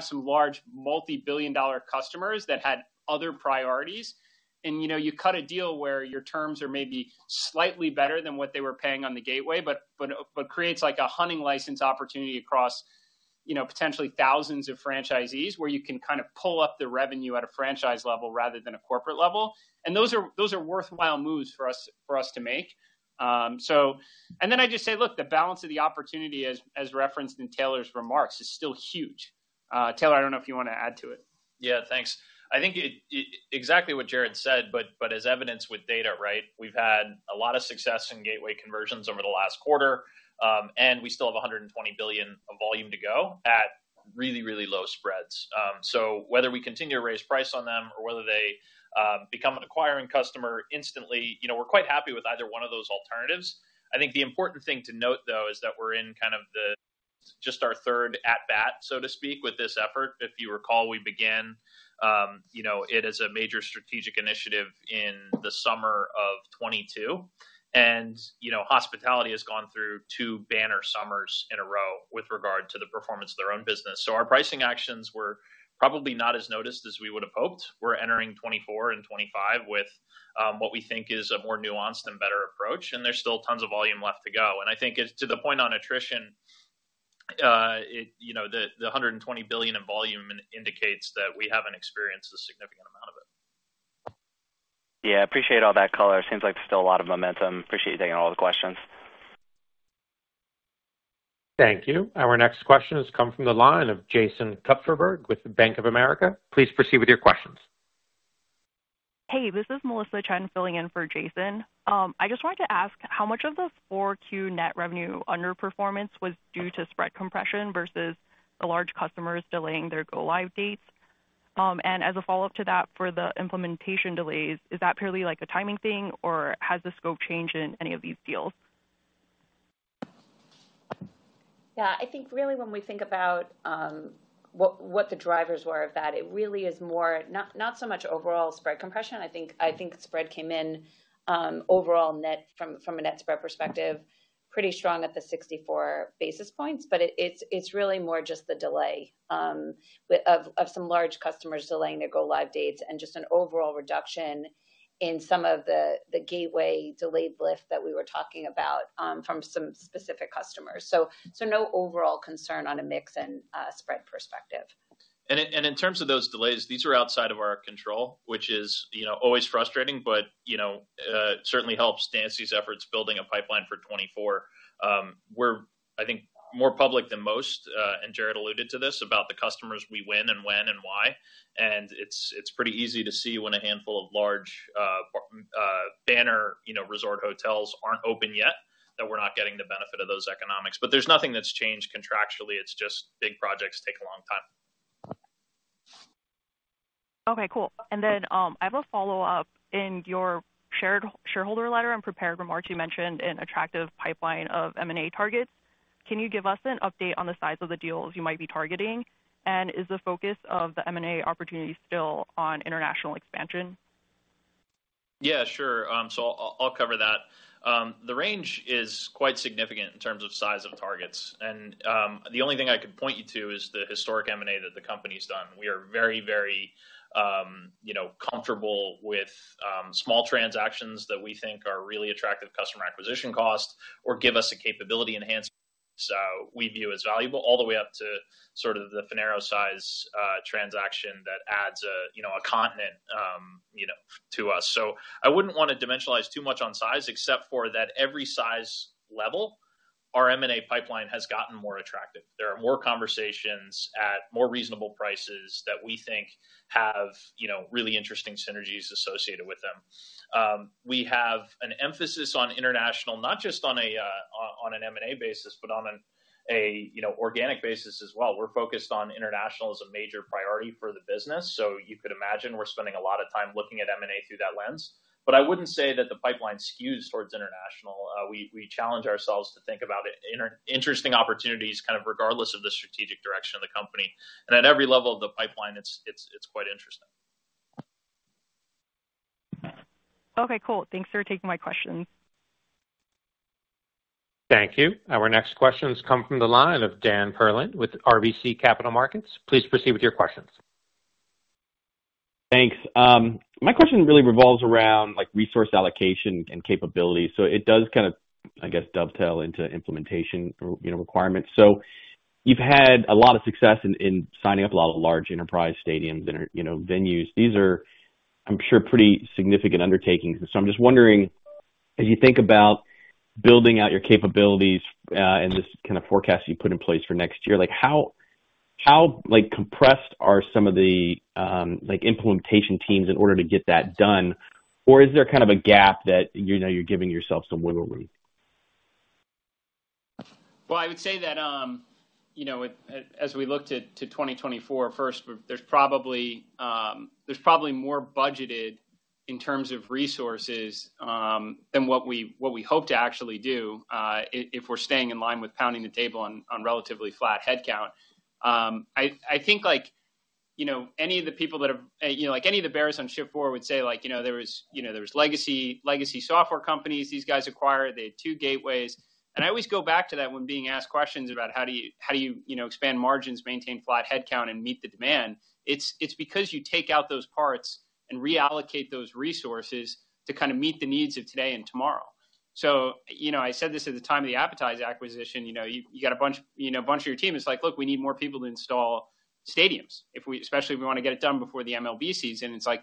some large multi-billion-dollar customers that had other priorities. And you cut a deal where your terms are maybe slightly better than what they were paying on the gateway, but creates a hunting license opportunity across potentially thousands of franchisees where you can kind of pull up the revenue at a franchise level rather than a corporate level. And those are worthwhile moves for us to make. And then I just say, look, the balance of the opportunity, as referenced in Taylor's remarks, is still huge. Taylor, I don't know if you want to add to it. Yeah, thanks. I think exactly what Jared said, but as evidenced with data, right, we've had a lot of success in gateway conversions over the last quarter. And we still have $120 billion of volume to go at really, really low spreads. So whether we continue to raise price on them or whether they become an acquiring customer instantly, we're quite happy with either one of those alternatives. I think the important thing to note, though, is that we're in kind of just our third at-bat, so to speak, with this effort. If you recall, we began it as a major strategic initiative in the summer of 2022. And hospitality has gone through two banner summers in a row with regard to the performance of their own business. So our pricing actions were probably not as noticed as we would have hoped. We're entering 2024 and 2025 with what we think is a more nuanced and better approach. There's still tons of volume left to go. I think to the point on attrition, the $120 billion in volume indicates that we haven't experienced a significant amount of it. Yeah. Appreciate all that color. Seems like there's still a lot of momentum. Appreciate you taking all the questions. Thank you. Our next question has come from the line of Jason Kupferberg with Bank of America. Please proceed with your questions. Hey, this is Melissa Chen filling in for Jason. I just wanted to ask how much of the 4Q net revenue underperformance was due to spread compression versus the large customers delaying their go-live dates? And as a follow-up to that for the implementation delays, is that purely a timing thing, or has the scope changed in any of these deals? Yeah. I think really when we think about what the drivers were of that, it really is more not so much overall spread compression. I think spread came in overall net from a net spread perspective, pretty strong at the 64 basis points. But it's really more just the delay of some large customers delaying their go-live dates and just an overall reduction in some of the gateway delayed lift that we were talking about from some specific customers. So no overall concern on a mix and spread perspective. In terms of those delays, these are outside of our control, which is always frustrating, but certainly helps Nancy's efforts building a pipeline for 2024. We're, I think, more public than most, and Jared alluded to this, about the customers we win and when and why. It's pretty easy to see when a handful of large banner resort hotels aren't open yet that we're not getting the benefit of those economics. There's nothing that's changed contractually. It's just big projects take a long time. Okay. Cool. And then I have a follow-up. In your shareholder letter and prepared remarks, you mentioned an attractive pipeline of M&A targets. Can you give us an update on the size of the deals you might be targeting? And is the focus of the M&A opportunity still on international expansion? Yeah, sure. So I'll cover that. The range is quite significant in terms of size of targets. And the only thing I could point you to is the historic M&A that the company's done. We are very, very comfortable with small transactions that we think are really attractive customer acquisition cost or give us a capability enhancement we view as valuable, all the way up to sort of the Finaro-size transaction that adds a continent to us. So I wouldn't want to dimensionalize too much on size, except for that every size level, our M&A pipeline has gotten more attractive. There are more conversations at more reasonable prices that we think have really interesting synergies associated with them. We have an emphasis on international, not just on an M&A basis, but on an organic basis as well. We're focused on international as a major priority for the business. You could imagine we're spending a lot of time looking at M&A through that lens. I wouldn't say that the pipeline skews towards international. We challenge ourselves to think about interesting opportunities kind of regardless of the strategic direction of the company. At every level of the pipeline, it's quite interesting. Okay. Cool. Thanks for taking my questions. Thank you. Our next questions come from the line of Dan Perlin with RBC Capital Markets. Please proceed with your questions. Thanks. My question really revolves around resource allocation and capability. So it does kind of, I guess, dovetail into implementation requirements. So you've had a lot of success in signing up a lot of large enterprise stadiums and venues. These are, I'm sure, pretty significant undertakings. And so I'm just wondering, as you think about building out your capabilities and this kind of forecast you put in place for next year, how compressed are some of the implementation teams in order to get that done? Or is there kind of a gap that you're giving yourself some wiggle room? Well, I would say that as we look to 2024 first, there's probably more budgeted in terms of resources than what we hope to actually do if we're staying in line with pounding the table on relatively flat headcount. I think any of the people that have any of the bearers on Shift4 would say there was legacy software companies these guys acquired. They had two gateways. And I always go back to that when being asked questions about how do you expand margins, maintain flat headcount, and meet the demand. It's because you take out those parts and reallocate those resources to kind of meet the needs of today and tomorrow. So I said this at the time of the Appetize acquisition. You got a bunch of your team. It's like, "Look, we need more people to install stadiums, especially if we want to get it done before the MLB season." And it's like,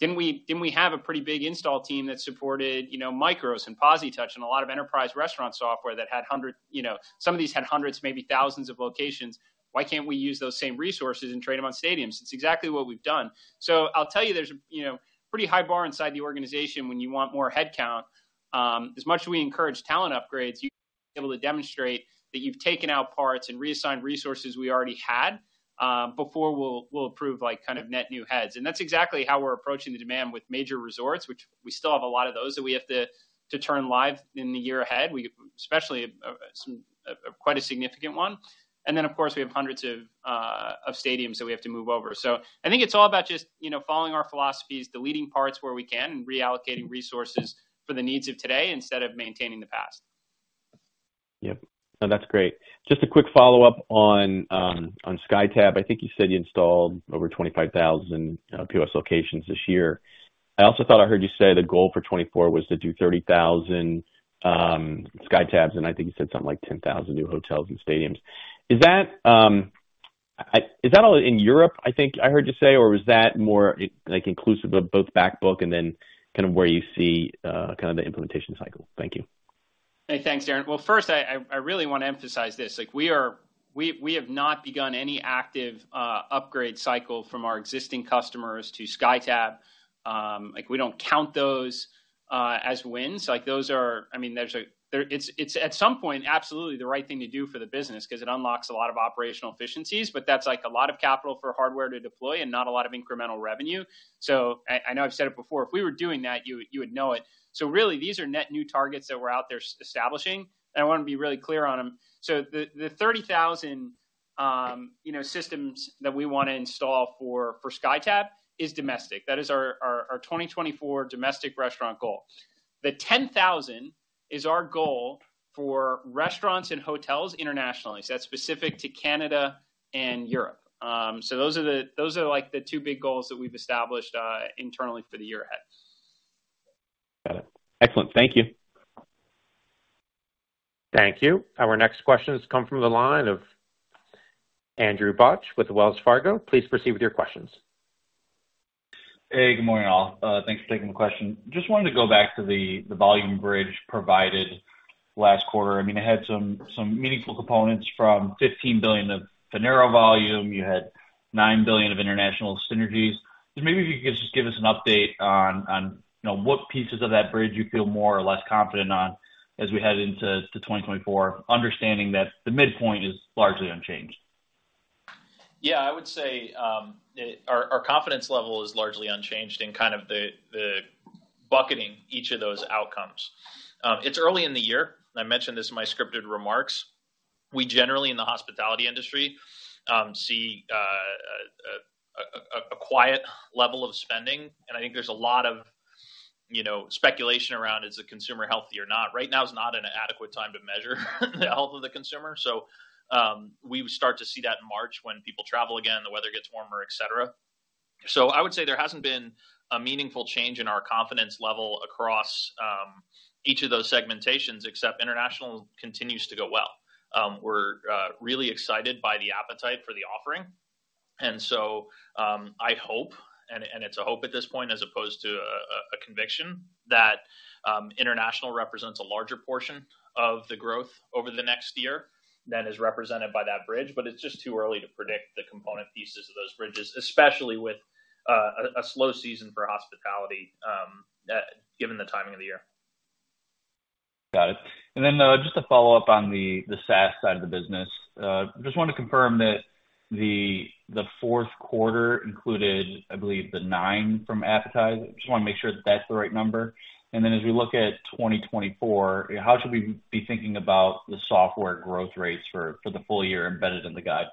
"Didn't we have a pretty big install team that supported Micros and POSitouch and a lot of enterprise restaurant software that had hundreds some of these had hundreds, maybe thousands of locations? Why can't we use those same resources and trade them on stadiums?" It's exactly what we've done. So I'll tell you, there's a pretty high bar inside the organization when you want more headcount. As much as we encourage talent upgrades, you're able to demonstrate that you've taken out parts and reassigned resources we already had before we'll approve kind of net new heads. And that's exactly how we're approaching the demand with major resorts, which we still have a lot of those that we have to turn live in the year ahead, especially quite a significant one. And then, of course, we have hundreds of stadiums that we have to move over. So I think it's all about just following our philosophies, deleting parts where we can, and reallocating resources for the needs of today instead of maintaining the past. Yep. No, that's great. Just a quick follow-up on SkyTab. I think you said you installed over 25,000 POS locations this year. I also thought I heard you say the goal for 2024 was to do 30,000 SkyTabs. And I think you said something like 10,000 new hotels and stadiums. Is that all in Europe, I think I heard you say, or was that more inclusive of both back book and then kind of where you see kind of the implementation cycle? Thank you. Hey, thanks, Dan. Well, first, I really want to emphasize this. We have not begun any active upgrade cycle from our existing customers to SkyTab. We don't count those as wins. I mean, it's at some point, absolutely, the right thing to do for the business because it unlocks a lot of operational efficiencies. But that's a lot of capital for hardware to deploy and not a lot of incremental revenue. So I know I've said it before. If we were doing that, you would know it. So really, these are net new targets that we're out there establishing. And I want to be really clear on them. So the 30,000 systems that we want to install for SkyTab is domestic. That is our 2024 domestic restaurant goal. The 10,000 is our goal for restaurants and hotels internationally. So that's specific to Canada and Europe. So those are the two big goals that we've established internally for the year ahead. Got it. Excellent. Thank you. Thank you. Our next questions come from the line of Andrew Bauch with Wells Fargo. Please proceed with your questions. Hey, good morning, all. Thanks for taking my question. Just wanted to go back to the volume bridge provided last quarter. I mean, it had some meaningful components from $15 billion of Finaro volume. You had $9 billion of international synergies. Maybe if you could just give us an update on what pieces of that bridge you feel more or less confident on as we head into 2024, understanding that the midpoint is largely unchanged. Yeah. I would say our confidence level is largely unchanged in kind of the bucketing each of those outcomes. It's early in the year. I mentioned this in my scripted remarks. We generally, in the hospitality industry, see a quiet level of spending. I think there's a lot of speculation around, "Is the consumer healthy or not?" Right now is not an adequate time to measure the health of the consumer. So we start to see that in March when people travel again, the weather gets warmer, etc. So I would say there hasn't been a meaningful change in our confidence level across each of those segmentations, except international continues to go well. We're really excited by the appetite for the offering. And so I hope, and it's a hope at this point as opposed to a conviction, that international represents a larger portion of the growth over the next year than is represented by that bridge. But it's just too early to predict the component pieces of those bridges, especially with a slow season for hospitality given the timing of the year. Got it. And then just to follow up on the SaaS side of the business, I just want to confirm that the fourth quarter included, I believe, the nine from Appetize. I just want to make sure that that's the right number. And then as we look at 2024, how should we be thinking about the software growth rates for the full year embedded in the guide?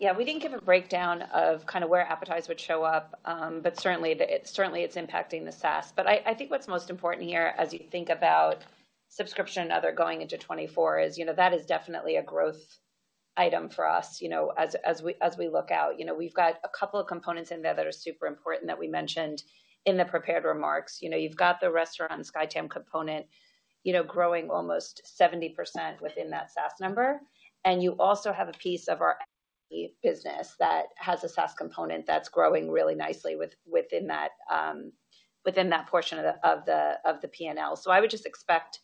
Yeah. We didn't give a breakdown of kind of where Appetize would show up. But certainly, it's impacting the SaaS. But I think what's most important here as you think about subscription and other going into 2024 is that is definitely a growth item for us as we look out. We've got a couple of components in there that are super important that we mentioned in the prepared remarks. You've got the restaurant SkyTab component growing almost 70% within that SaaS number. And you also have a piece of our business that has a SaaS component that's growing really nicely within that portion of the P&L. So I would just expect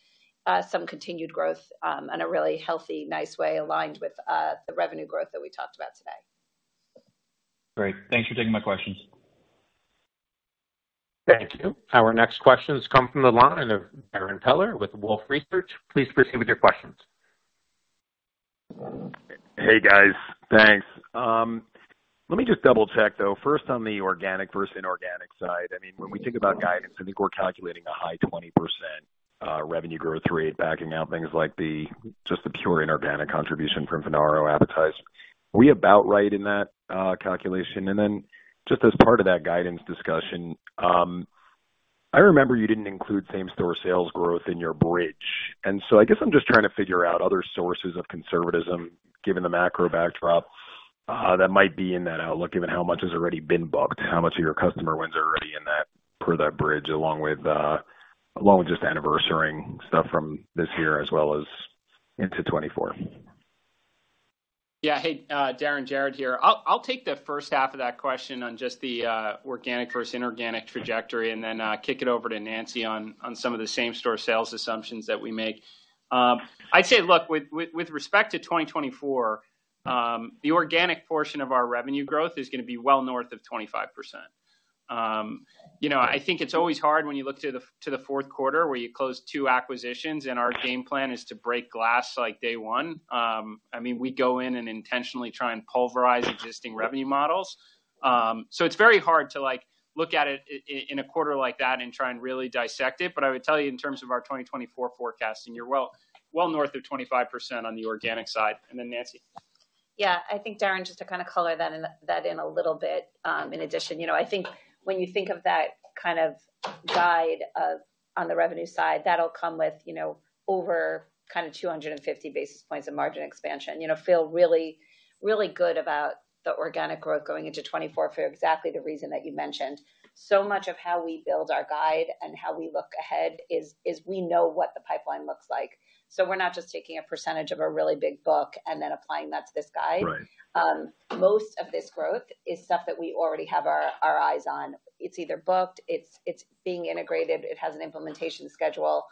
some continued growth in a really healthy, nice way aligned with the revenue growth that we talked about today. Great. Thanks for taking my questions. Thank you. Our next questions come from the line of Darrin Peller with Wolfe Research. Please proceed with your questions. Hey, guys. Thanks. Let me just double-check, though, first on the organic versus inorganic side. I mean, when we think about guidance, I think we're calculating a high 20% revenue growth rate backing out things like just the pure inorganic contribution from Finaro, Appetize. Are we about right in that calculation? And then just as part of that guidance discussion, I remember you didn't include same-store sales growth in your bridge. And so I guess I'm just trying to figure out other sources of conservatism, given the macro backdrop, that might be in that outlook, given how much has already been booked, how much of your customer wins are already in that per that bridge, along with just anniversary stuff from this year as well as into 2024. Yeah. Hey, Darrin. Jared here. I'll take the first half of that question on just the organic versus inorganic trajectory and then kick it over to Nancy on some of the same-store sales assumptions that we make. I'd say, look, with respect to 2024, the organic portion of our revenue growth is going to be well north of 25%. I think it's always hard when you look to the fourth quarter where you close two acquisitions, and our game plan is to break glass like day one. I mean, we go in and intentionally try and pulverize existing revenue models. So it's very hard to look at it in a quarter like that and try and really dissect it. But I would tell you, in terms of our 2024 forecasting, you're well north of 25% on the organic side. And then, Nancy? Yeah. I think, Darrin, just to kind of color that in a little bit in addition, I think when you think of that kind of guide on the revenue side, that'll come with over kind of 250 basis points of margin expansion. I feel really, really good about the organic growth going into 2024 for exactly the reason that you mentioned. So much of how we build our guide and how we look ahead is we know what the pipeline looks like. So we're not just taking a percentage of a really big book and then applying that to this guide. Most of this growth is stuff that we already have our eyes on. It's either booked. It's being integrated. It has an implementation schedule.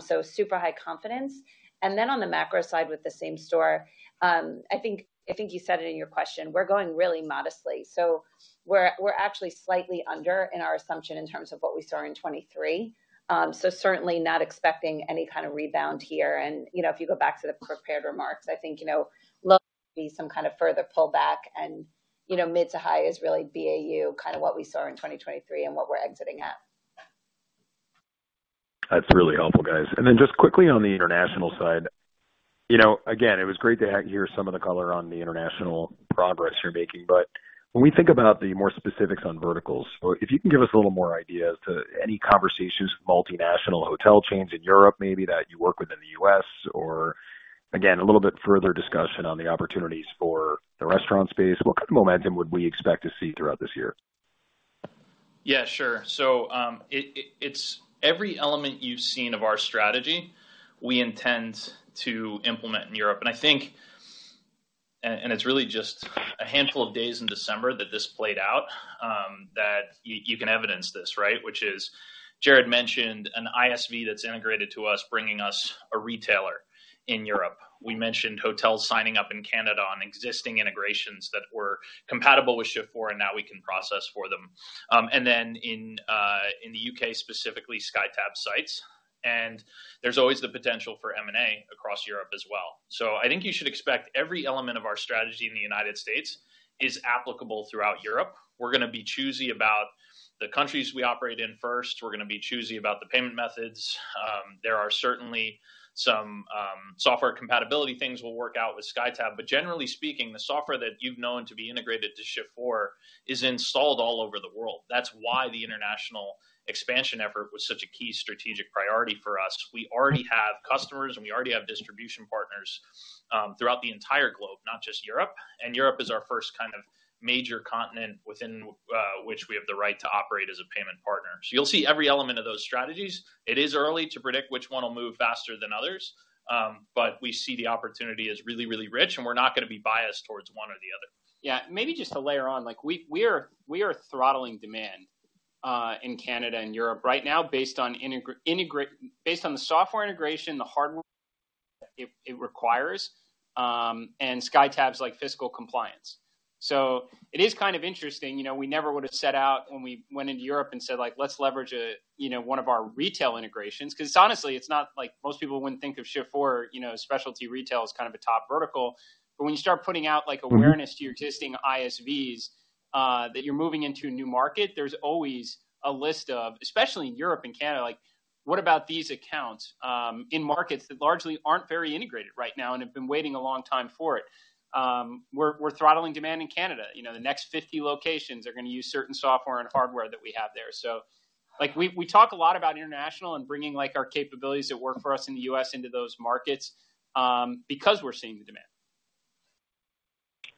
So super high confidence. And then on the macro side with the same store, I think you said it in your question. We're going really modestly. We're actually slightly under in our assumption in terms of what we saw in 2023. Certainly not expecting any kind of rebound here. If you go back to the prepared remarks, I think low could be some kind of further pullback. Mid to high is really BAU, kind of what we saw in 2023 and what we're exiting at. That's really helpful, guys. And then just quickly on the international side, again, it was great to hear some of the color on the international progress you're making. But when we think about the more specifics on verticals, if you can give us a little more ideas to any conversations with multinational hotel chains in Europe, maybe, that you work with in the U.S., or again, a little bit further discussion on the opportunities for the restaurant space, what kind of momentum would we expect to see throughout this year? Yeah, sure. So it's every element you've seen of our strategy we intend to implement in Europe. And I think, and it's really just a handful of days in December that this played out that you can evidence this, right, which is Jared mentioned an ISV that's integrated to us bringing us a retailer in Europe. We mentioned hotels signing up in Canada on existing integrations that were compatible with Shift4, and now we can process for them. And then in the U.K. specifically, SkyTab sites. And there's always the potential for M&A across Europe as well. So I think you should expect every element of our strategy in the United States is applicable throughout Europe. We're going to be choosy about the countries we operate in first. We're going to be choosy about the payment methods. There are certainly some software compatibility things we'll work out with SkyTab. Generally speaking, the software that you've known to be integrated to Shift4 is installed all over the world. That's why the international expansion effort was such a key strategic priority for us. We already have customers, and we already have distribution partners throughout the entire globe, not just Europe. Europe is our first kind of major continent within which we have the right to operate as a payment partner. You'll see every element of those strategies. It is early to predict which one will move faster than others. We see the opportunity as really, really rich. We're not going to be biased towards one or the other. Yeah. Maybe just to layer on, we are throttling demand in Canada and Europe right now based on the software integration, the hardware it requires, and SkyTab's fiscal compliance. It is kind of interesting. We never would have set out when we went into Europe and said, "Let's leverage one of our retail integrations," because honestly, it's not like most people wouldn't think of Shift4. Specialty retail is kind of a top vertical. But when you start putting out awareness to your existing ISVs that you're moving into a new market, there's always a list of, especially in Europe and Canada, like, "What about these accounts in markets that largely aren't very integrated right now and have been waiting a long time for it? We're throttling demand in Canada. The next 50 locations are going to use certain software and hardware that we have there." So we talk a lot about international and bringing our capabilities that work for us in the U.S. into those markets because we're seeing the demand.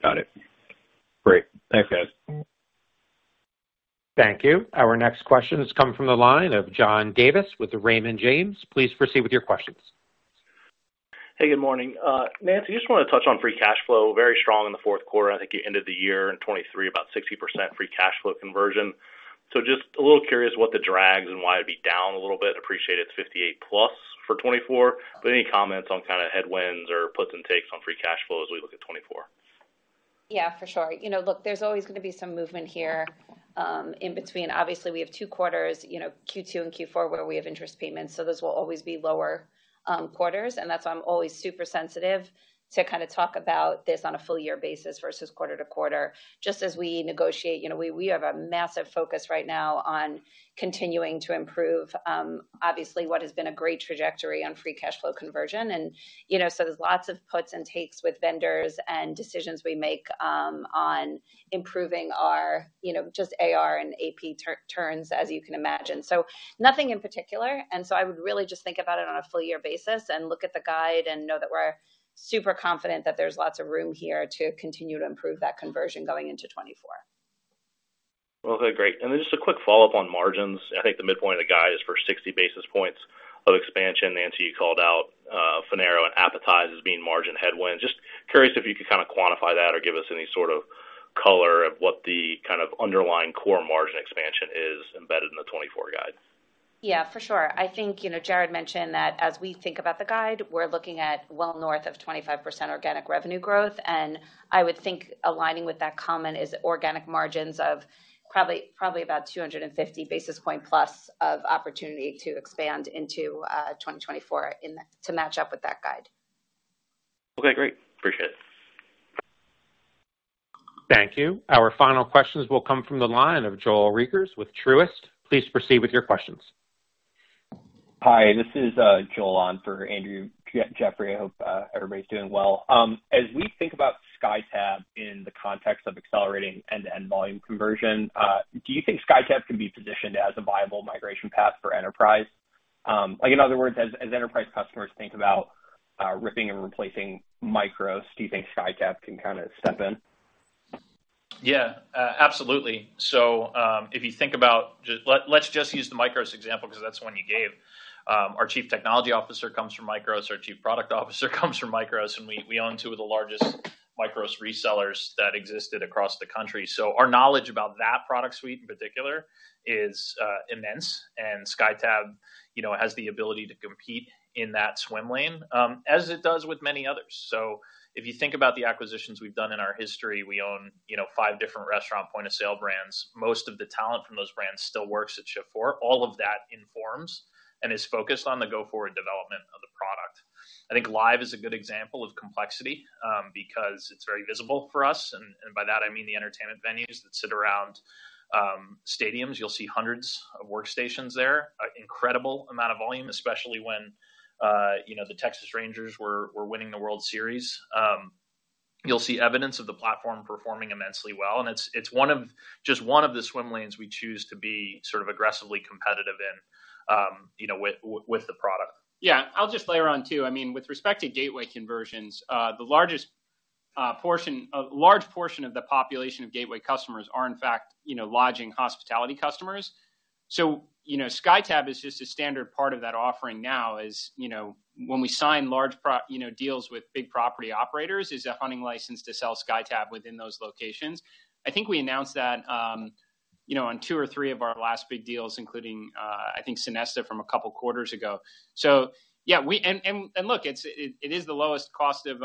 Got it. Great. Thanks, guys. Thank you. Our next question has come from the line of John Davis with Raymond James. Please proceed with your questions. Hey, good morning. Nancy, I just want to touch on free cash flow. Very strong in the fourth quarter. I think you ended the year in 2023, about 60% free cash flow conversion. So just a little curious what the drags and why it'd be down a little bit. Appreciate it's 58+ for 2024. But any comments on kind of headwinds or puts and takes on free cash flow as we look at 2024? Yeah, for sure. Look, there's always going to be some movement here in between. Obviously, we have two quarters, Q2 and Q4, where we have interest payments. So those will always be lower quarters. And that's why I'm always super sensitive to kind of talk about this on a full-year basis versus quarter to quarter. Just as we negotiate, we have a massive focus right now on continuing to improve, obviously, what has been a great trajectory on free cash flow conversion. And so there's lots of puts and takes with vendors and decisions we make on improving our just AR and AP turns, as you can imagine. So nothing in particular. I would really just think about it on a full-year basis and look at the guide and know that we're super confident that there's lots of room here to continue to improve that conversion going into 2024. Well, hey, great. Then just a quick follow-up on margins. I think the midpoint of the guide is for 60 basis points of expansion. Nancy, you called out Finaro and Appetize as being margin headwinds. Just curious if you could kind of quantify that or give us any sort of color of what the kind of underlying core margin expansion is embedded in the 2024 guide? Yeah, for sure. I think Jared mentioned that as we think about the guide, we're looking at well north of 25% organic revenue growth. And I would think aligning with that comment is organic margins of probably about 250 basis point plus of opportunity to expand into 2024 to match up with that guide. Okay, great. Appreciate it. Thank you. Our final questions will come from the line of Joel Riechers with Truist. Please proceed with your questions. Hi. This is Joel on for Andrew Jeffrey. I hope everybody's doing well. As we think about SkyTab in the context of accelerating end-to-end volume conversion, do you think SkyTab can be positioned as a viable migration path for enterprise? In other words, as enterprise customers think about ripping and replacing Micros, do you think SkyTab can kind of step in? Yeah, absolutely. So if you think about just let's just use the Micros example because that's the one you gave. Our Chief Technology Officer comes from Micros. Our Chief Product Officer comes from Micros. And we own two of the largest Micros resellers that existed across the country. So our knowledge about that product suite in particular is immense. And SkyTab has the ability to compete in that swim lane as it does with many others. So if you think about the acquisitions we've done in our history, we own five different restaurant point-of-sale brands. Most of the talent from those brands still works at Shift4. All of that informs and is focused on the go-forward development of the product. I think live is a good example of complexity because it's very visible for us. And by that, I mean the entertainment venues that sit around stadiums. You'll see hundreds of workstations there, incredible amount of volume, especially when the Texas Rangers were winning the World Series. You'll see evidence of the platform performing immensely well. And it's just one of the swim lanes we choose to be sort of aggressively competitive in with the product. Yeah. I'll just layer on too. I mean, with respect to gateway conversions, the largest portion of the population of gateway customers are, in fact, lodging hospitality customers. So SkyTab is just a standard part of that offering now is when we sign large deals with big property operators, is a hunting license to sell SkyTab within those locations. I think we announced that on two or three of our last big deals, including, I think, Sonesta from a couple quarters ago. So yeah. And look, it is the lowest cost of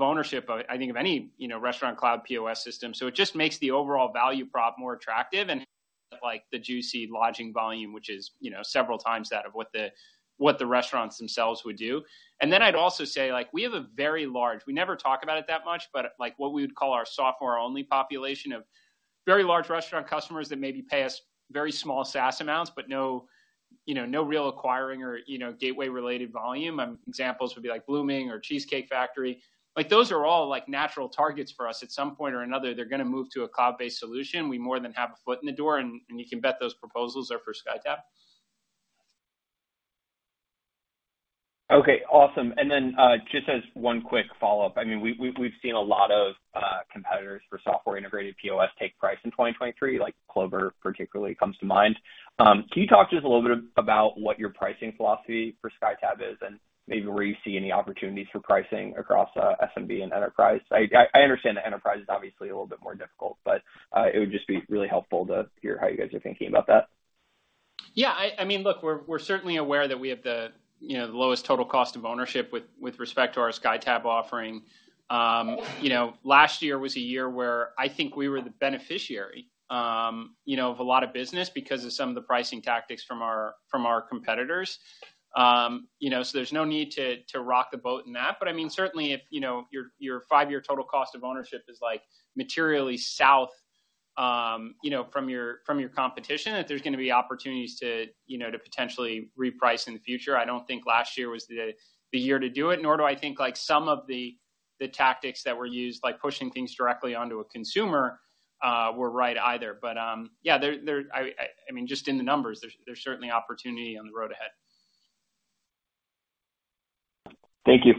ownership, I think, of any restaurant cloud POS system. So it just makes the overall value prop more attractive and the juicy lodging volume, which is several times that of what the restaurants themselves would do. And then I'd also say we have a very large we never talk about it that much, but what we would call our software-only population of very large restaurant customers that maybe pay us very small SaaS amounts but no real acquiring or gateway-related volume. Examples would be Bloomin' or Cheesecake Factory. Those are all natural targets for us. At some point or another, they're going to move to a cloud-based solution. We more than have a foot in the door. And you can bet those proposals are for SkyTab. Okay. Awesome. And then just as one quick follow-up, I mean, we've seen a lot of competitors for software-integrated POS take price in 2023. Clover, particularly, comes to mind. Can you talk just a little bit about what your pricing philosophy for SkyTab is and maybe where you see any opportunities for pricing across SMB and enterprise? I understand that enterprise is obviously a little bit more difficult, but it would just be really helpful to hear how you guys are thinking about that. Yeah. I mean, look, we're certainly aware that we have the lowest total cost of ownership with respect to our SkyTab offering. Last year was a year where I think we were the beneficiary of a lot of business because of some of the pricing tactics from our competitors. So there's no need to rock the boat in that. But I mean, certainly, if your five-year total cost of ownership is materially south from your competition, if there's going to be opportunities to potentially reprice in the future, I don't think last year was the year to do it, nor do I think some of the tactics that were used, like pushing things directly onto a consumer, were right either. But yeah, I mean, just in the numbers, there's certainly opportunity on the road ahead. Thank you.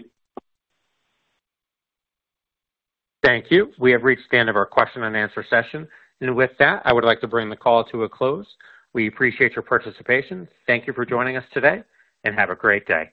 Thank you. We have reached the end of our question-and-answer session. With that, I would like to bring the call to a close. We appreciate your participation. Thank you for joining us today, and have a great day.